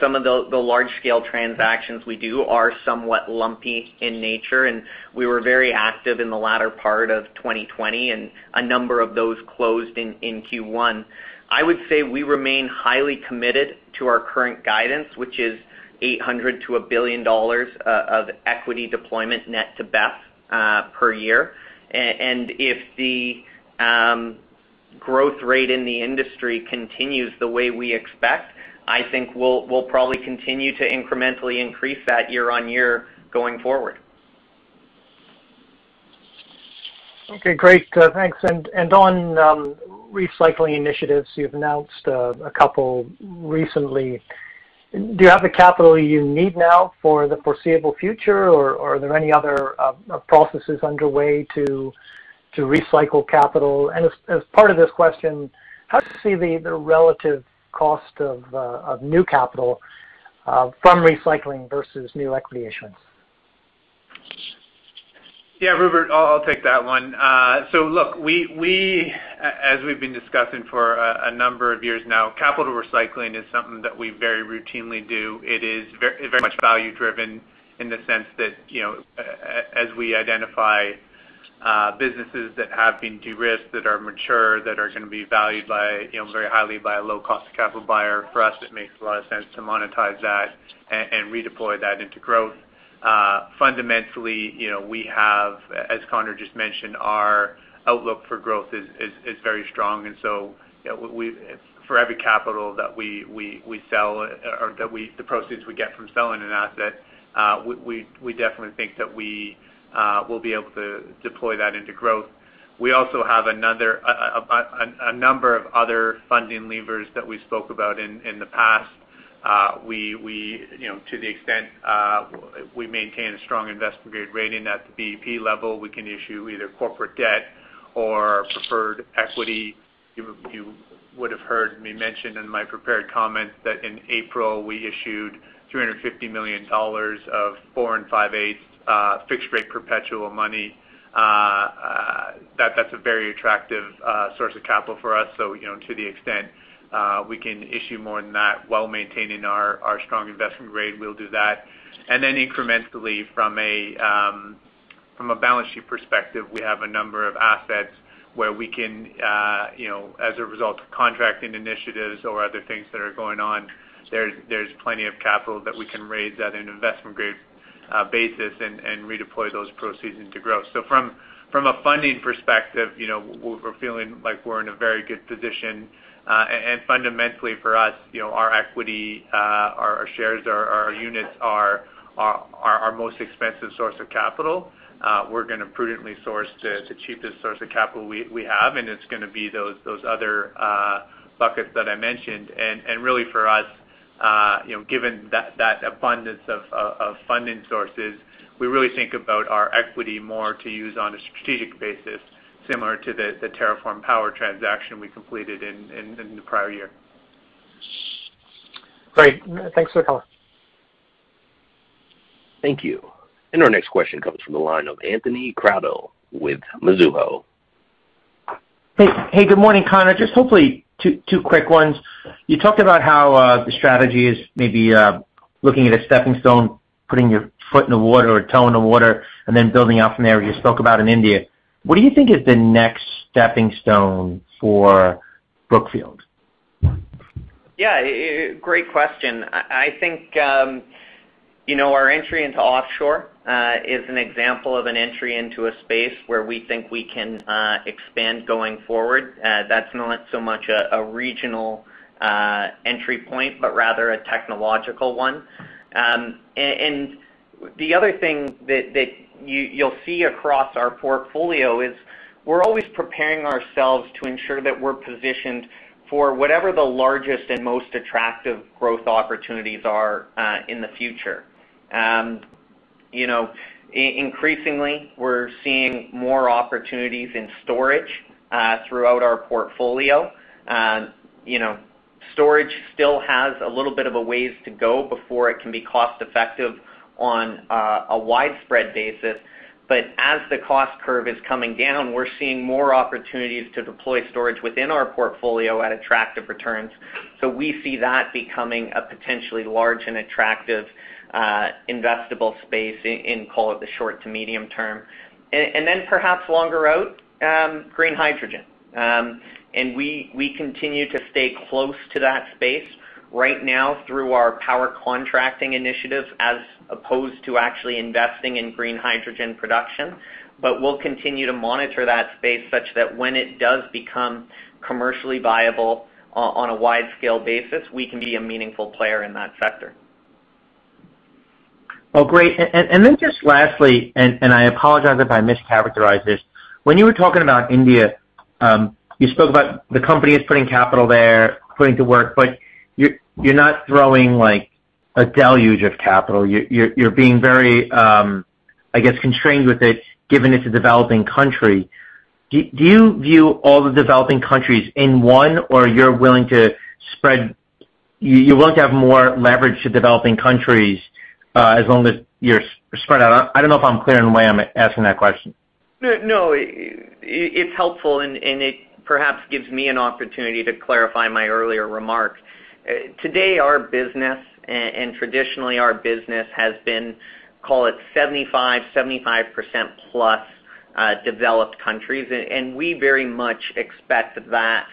Some of the large-scale transactions we do are somewhat lumpy in nature, and we were very active in the latter part of 2020, and a number of those closed in Q1. I would say we remain highly committed to our current guidance, which is $800-$1 billion of equity deployment net to BEP per year. If the growth rate in the industry continues the way we expect, I think we'll probably continue to incrementally increase that year-on-year going forward. Okay, great. Thanks. On recycling initiatives, you've announced a couple recently. Do you have the capital you need now for the foreseeable future, or are there any other processes underway to recycle capital? As part of this question, how do you see the relative cost of new capital from recycling versus new equity issuance? Yeah, Rupert, I'll take that one. Look, as we've been discussing for a number of years now, capital recycling is something that we very routinely do. It is very much value-driven in the sense that as we identify businesses that have been de-risked, that are mature, that are going to be valued very highly by a low-cost capital buyer, for us, it makes a lot of sense to monetize that and redeploy that into growth. Fundamentally, we have, as Connor just mentioned, our outlook for growth is very strong, for every capital that we sell or the proceeds we get from selling an asset, we definitely think that we will be able to deploy that into growth. We also have a number of other funding levers that we spoke about in the past. To the extent we maintain a strong investment-grade rating at the BEP level, we can issue either corporate debt or preferred equity. You would have heard me mention in my prepared comments that in April we issued $350 million of four and five-eighths fixed-rate perpetual money. That's a very attractive source of capital for us. To the extent we can issue more than that while maintaining our strong investment grade, we'll do that. Incrementally, from a balance sheet perspective, we have a number of assets where we can, as a result of contracting initiatives or other things that are going on, there's plenty of capital that we can raise at an investment-grade basis and redeploy those proceeds into growth. From a funding perspective, we're feeling like we're in a very good position. Fundamentally for us, our equity, our shares, our units are our most expensive source of capital. We're going to prudently source the cheapest source of capital we have, and it's going to be those other buckets that I mentioned. Really for us, given that abundance of funding sources, we really think about our equity more to use on a strategic basis similar to the TerraForm Power transaction we completed in the prior year. Great. Thanks for the color. Thank you. Our next question comes from the line of Anthony Crowdell with Mizuho. Hey, good morning, Connor. Hopefully two quick ones. You talked about how the strategy is maybe looking at a stepping stone, putting your foot in the water or a toe in the water, and then building out from there, you spoke about in India. What do you think is the next stepping stone for Brookfield? Yeah, great question. I think our entry into offshore is an example of an entry into a space where we think we can expand going forward. That's not so much a regional entry point, but rather a technological one. The other thing that you'll see across our portfolio is we're always preparing ourselves to ensure that we're positioned for whatever the largest and most attractive growth opportunities are in the future. Increasingly, we're seeing more opportunities in storage throughout our portfolio. Storage still has a little bit of a ways to go before it can be cost-effective on a widespread basis. As the cost curve is coming down, we're seeing more opportunities to deploy storage within our portfolio at attractive returns. We see that becoming a potentially large and attractive investable space in call it the short to medium term. Then perhaps longer out, green hydrogen. We continue to stay close to that space right now through our power contracting initiative as opposed to actually investing in green hydrogen production. We'll continue to monitor that space such that when it does become commercially viable on a wide-scale basis, we can be a meaningful player in that sector. Oh, great. Just lastly, I apologize if I mischaracterize this. When you were talking about India, you spoke about the company is putting capital there, putting to work, but you're not throwing a deluge of capital. You're being very, I guess, constrained with it, given it's a developing country. Do you view all the developing countries in one, or you're willing to have more leverage to developing countries as long as you're spread out? I don't know if I'm clear in the way I'm asking that question. No. It's helpful, and it perhaps gives me an opportunity to clarify my earlier remarks. Today, our business, and traditionally our business has been, call it 75%+ developed countries. We very much expect that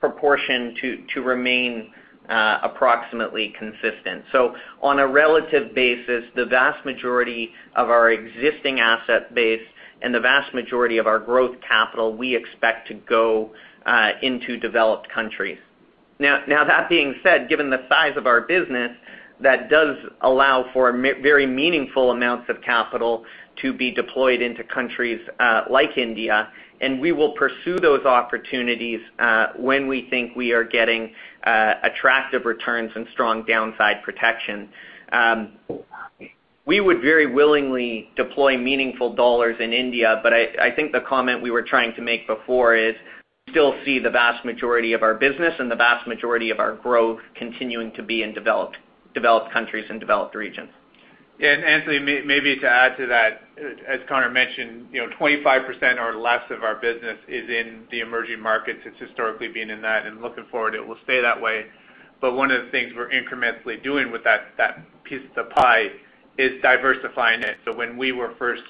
proportion to remain approximately consistent. On a relative basis, the vast majority of our existing asset base and the vast majority of our growth capital, we expect to go into developed countries. That being said, given the size of our business, that does allow for very meaningful amounts of capital to be deployed into countries like India. We will pursue those opportunities, when we think we are getting attractive returns and strong downside protection. We would very willingly deploy meaningful dollars in India, but I think the comment we were trying to make before is we still see the vast majority of our business and the vast majority of our growth continuing to be in developed countries and developed regions. Yeah. Anthony Crowdell, maybe to add to that, as Connor Teskey mentioned, 25% or less of our business is in the emerging markets. It's historically been in that, and looking forward, it will stay that way. One of the things we're incrementally doing with that piece of the pie is diversifying it. When we were first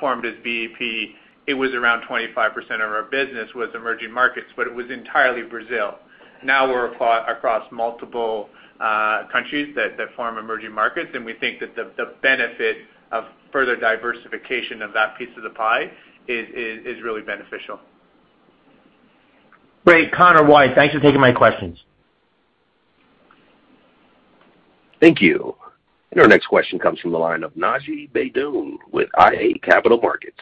formed as BEP, it was around 25% of our business was emerging markets, but it was entirely Brazil. Now we're across multiple countries that form emerging markets, and we think that the benefit of further diversification of that piece of the pie is really beneficial. Great. Connor, Wyatt, thanks for taking my questions. Thank you. Our next question comes from the line of Naji Baydoun with iA Capital Markets.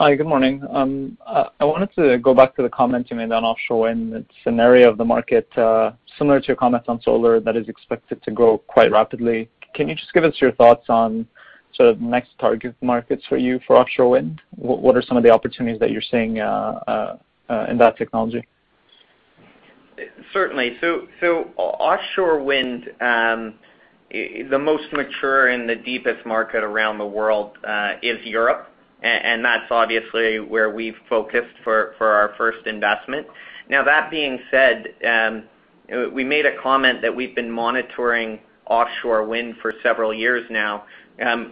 Hi, good morning. I wanted to go back to the comment you made on offshore wind. It's an area of the market, similar to your comments on solar, that is expected to grow quite rapidly. Can you just give us your thoughts on sort of next target markets for you for offshore wind? What are some of the opportunities that you're seeing in that technology? Certainly. Offshore wind, the most mature and the deepest market around the world, is Europe, and that's obviously where we've focused for our first investment. Now that being said, we made a comment that we've been monitoring offshore wind for several years now.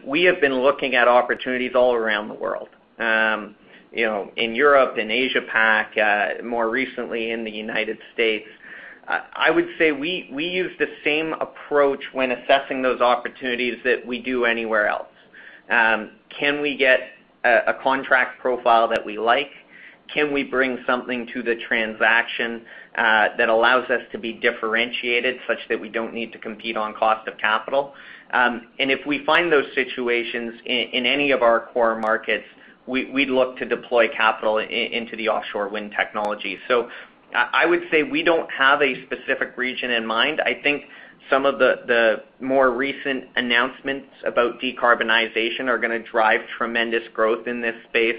We have been looking at opportunities all around the world. In Europe, in Asia-Pac, more recently in the U.S. I would say we use the same approach when assessing those opportunities that we do anywhere else. Can we get a contract profile that we like? Can we bring something to the transaction that allows us to be differentiated such that we don't need to compete on cost of capital? If we find those situations in any of our core markets, we'd look to deploy capital into the offshore wind technology. I would say we don't have a specific region in mind. I think some of the more recent announcements about decarbonization are going to drive tremendous growth in this space,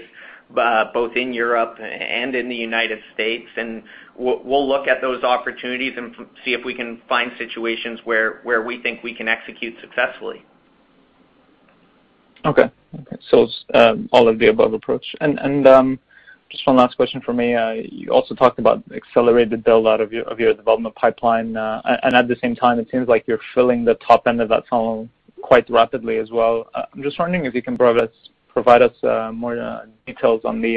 both in Europe and in the U.S. We'll look at those opportunities and see if we can find situations where we think we can execute successfully. Okay. It's all of the above approach. Just one last question from me. You also talked about accelerated build-out of your development pipeline. At the same time, it seems like you're filling the top end of that funnel quite rapidly as well. I'm just wondering if you can provide us more details on the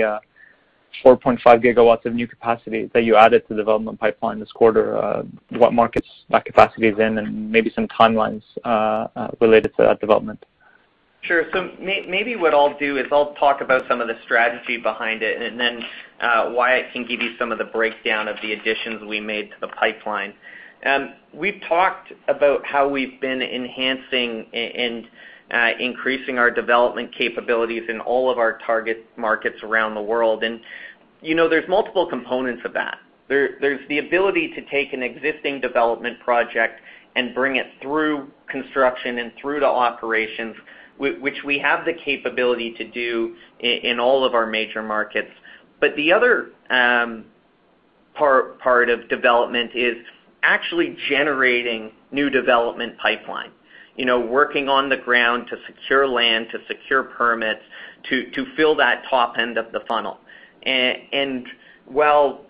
4.5 GW of new capacity that you added to the development pipeline this quarter, what markets that capacity is in, and maybe some timelines related to that development. Sure. Maybe what I'll do is I'll talk about some of the strategy behind it, and then Wyatt can give you some of the breakdown of the additions we made to the pipeline. We've talked about how we've been enhancing and increasing our development capabilities in all of our target markets around the world. There's multiple components of that. There's the ability to take an existing development project and bring it through construction and through to operations, which we have the capability to do in all of our major markets. The other part of development is actually generating new development pipeline. Working on the ground to secure land, to secure permits, to fill that top end of the funnel. While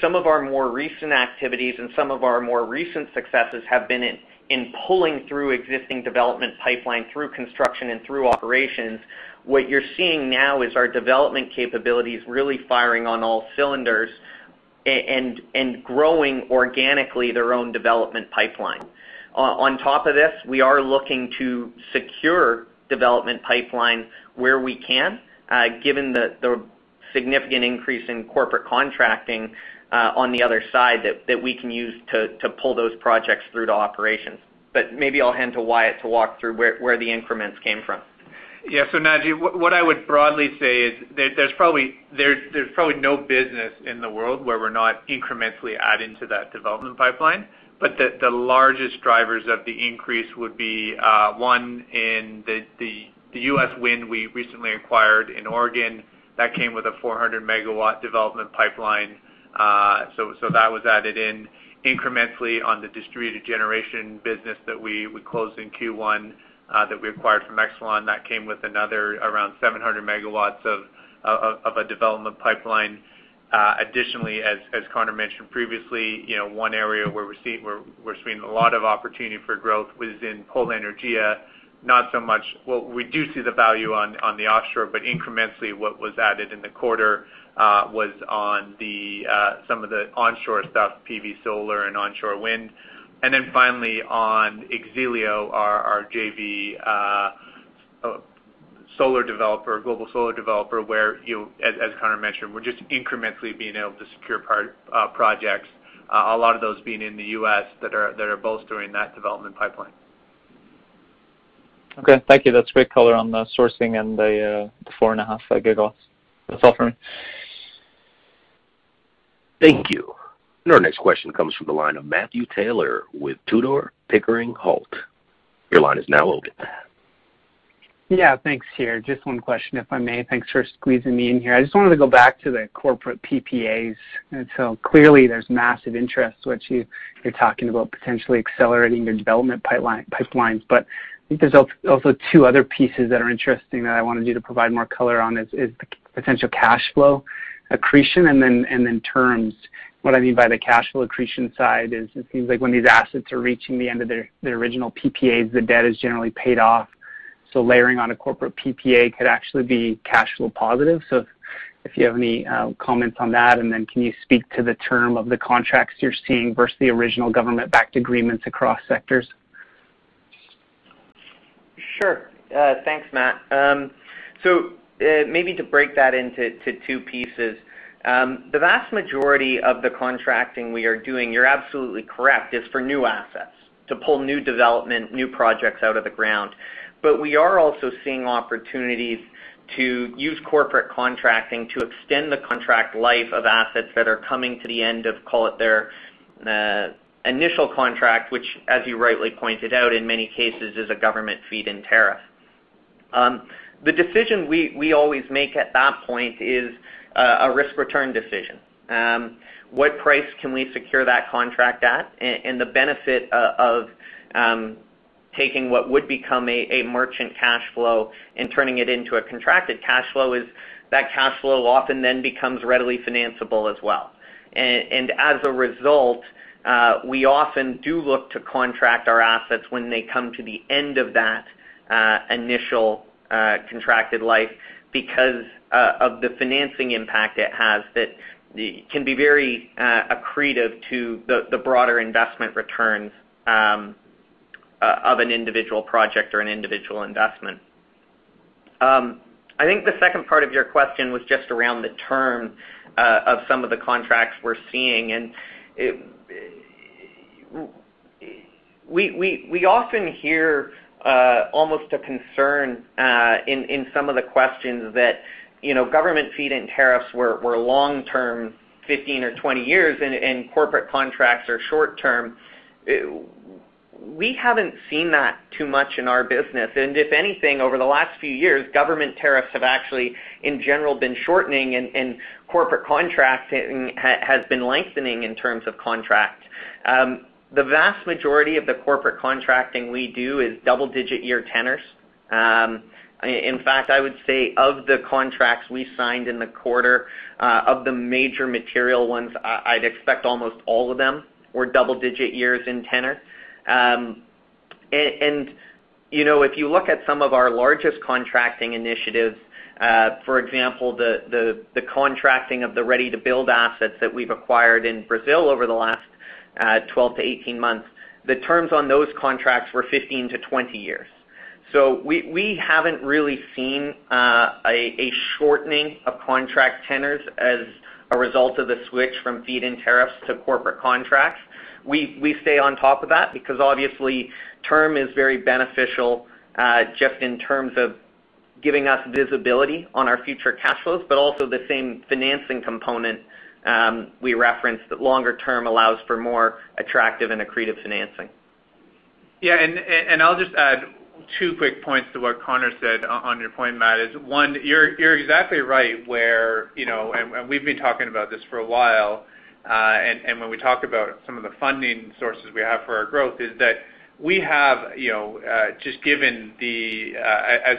some of our more recent activities and some of our more recent successes have been in pulling through existing development pipeline through construction and through operations, what you're seeing now is our development capabilities really firing on all cylinders, and growing organically their own development pipeline. On top of this, we are looking to secure development pipeline where we can, given the significant increase in corporate contracting on the other side that we can use to pull those projects through to operations. Maybe I'll hand to Wyatt to walk through where the increments came from. Yeah. Naji, what I would broadly say is there's probably no business in the world where we're not incrementally adding to that development pipeline. The largest drivers of the increase would be, one in the U.S. wind we recently acquired in Oregon. That came with a 400 MW development pipeline. That was added in incrementally on the distributed generation business that we closed in Q1 that we acquired from Exelon. That came with another around 700 MW of a development pipeline. Additionally, as Connor mentioned previously, one area where we're seeing a lot of opportunity for growth was in Polenergia. Well, we do see the value on the offshore, but incrementally what was added in the quarter was on some of the onshore stuff, PV solar and onshore wind. Finally on X-Elio, our JV global solar developer, where, as Connor mentioned, we're just incrementally being able to secure projects, a lot of those being in the U.S. that are bolstering that development pipeline. Okay. Thank you. That's great color on the sourcing and the 4.5 GW. That's all for me. Thank you. Our next question comes from the line of Matthew Taylor with Tudor, Pickering, Holt. Your line is now open. Yeah, thanks. Just one question, if I may. Thanks for squeezing me in here. I just wanted to go back to the corporate PPAs. Clearly, there's massive interest, which you're talking about potentially accelerating your development pipelines. I think there's also two other pieces that are interesting that I wanted you to provide more color on, is the potential cash flow accretion, and then terms. What I mean by the cash flow accretion side is it seems like when these assets are reaching the end of their original PPAs, the debt is generally paid off. Layering on a corporate PPA could actually be cash flow positive. If you have any comments on that, and then can you speak to the term of the contracts you're seeing versus the original government-backed agreements across sectors? Sure. Thanks, Matt. Maybe to break that into two pieces. The vast majority of the contracting we are doing, you're absolutely correct, is for new assets, to pull new development, new projects out of the ground. We are also seeing opportunities to use corporate contracting to extend the contract life of assets that are coming to the end of, call it, their initial contract, which, as you rightly pointed out, in many cases is a government feed-in tariff. The decision we always make at that point is a risk-return decision. What price can we secure that contract at? The benefit of taking what would become a merchant cash flow and turning it into a contracted cash flow is that cash flow often then becomes readily financeable as well. As a result, we often do look to contract our assets when they come to the end of that initial contracted life because of the financing impact it has that can be very accretive to the broader investment returns of an individual project or an individual investment. I think the second part of your question was just around the term of some of the contracts we're seeing, and we often hear almost a concern in some of the questions that government feed-in tariffs were long-term, 15 or 20 years, and corporate contracts are short-term. We haven't seen that too much in our business. If anything, over the last few years, government tariffs have actually, in general, been shortening, and corporate contracting has been lengthening in terms of contract. The vast majority of the corporate contracting we do is double-digit year tenors. In fact, I would say of the contracts we signed in the quarter, of the major material ones, I'd expect almost all of them were double-digit years in tenor. If you look at some of our largest contracting initiatives, for example, the contracting of the ready-to-build assets that we've acquired in Brazil over the last 12-18 months, the terms on those contracts were 15-20 years. We haven't really seen a shortening of contract tenors as a result of the switch from feed-in tariffs to corporate contracts. We stay on top of that because obviously term is very beneficial, just in terms of giving us visibility on our future cash flows, but also the same financing component we referenced, that longer term allows for more attractive and accretive financing. I'll just add two quick points to what Connor said on your point, Matt, is, one, you're exactly right where, we've been talking about this for a while, when we talk about some of the funding sources we have for our growth, is that we have, As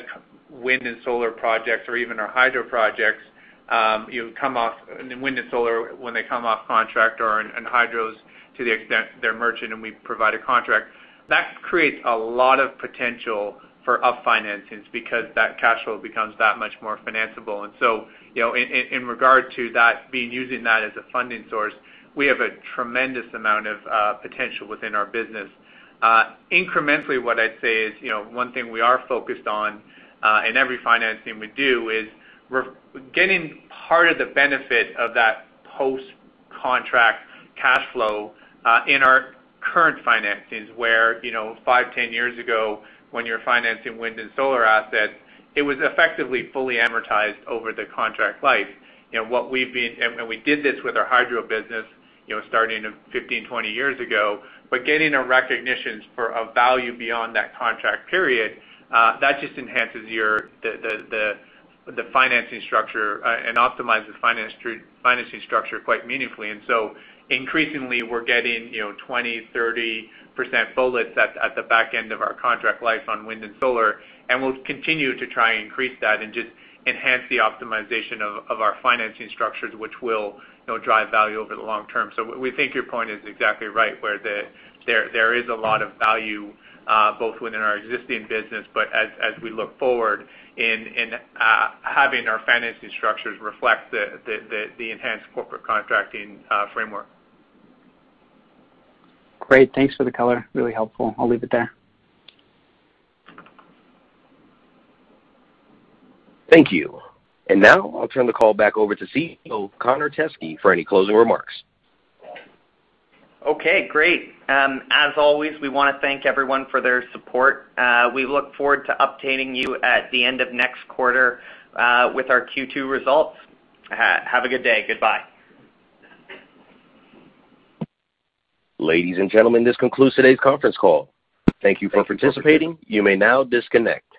wind and solar projects or even our hydro projects, wind and solar, when they come off contract or in hydros, to the extent they're merchant and we provide a contract, that creates a lot of potential for up financings because that cash flow becomes that much more financeable. In regard to that, being using that as a funding source, we have a tremendous amount of potential within our business. Incrementally, what I'd say is, one thing we are focused on in every financing we do is we're getting part of the benefit of that post-contract cash flow in our current financings, where five, 10 years ago, when you're financing wind and solar assets, it was effectively fully amortized over the contract life. We did this with our hydro business starting 15, 20 years ago. Getting a recognition for a value beyond that contract period, that just enhances the financing structure and optimizes financing structure quite meaningfully. Increasingly, we're getting 20%, 30% bullets at the back end of our contract life on wind and solar, and we'll continue to try and increase that and just enhance the optimization of our financing structures, which will drive value over the long term. We think your point is exactly right, where there is a lot of value both within our existing business, but as we look forward in having our financing structures reflect the enhanced corporate contracting framework. Great. Thanks for the color. Really helpful. I'll leave it there. Thank you. Now I'll turn the call back over to CEO Connor Teskey for any closing remarks. Okay, great. As always, we want to thank everyone for their support. We look forward to updating you at the end of next quarter with our Q2 results. Have a good day. Goodbye. Ladies and gentlemen, this concludes today's conference call. Thank you for participating. You may now disconnect.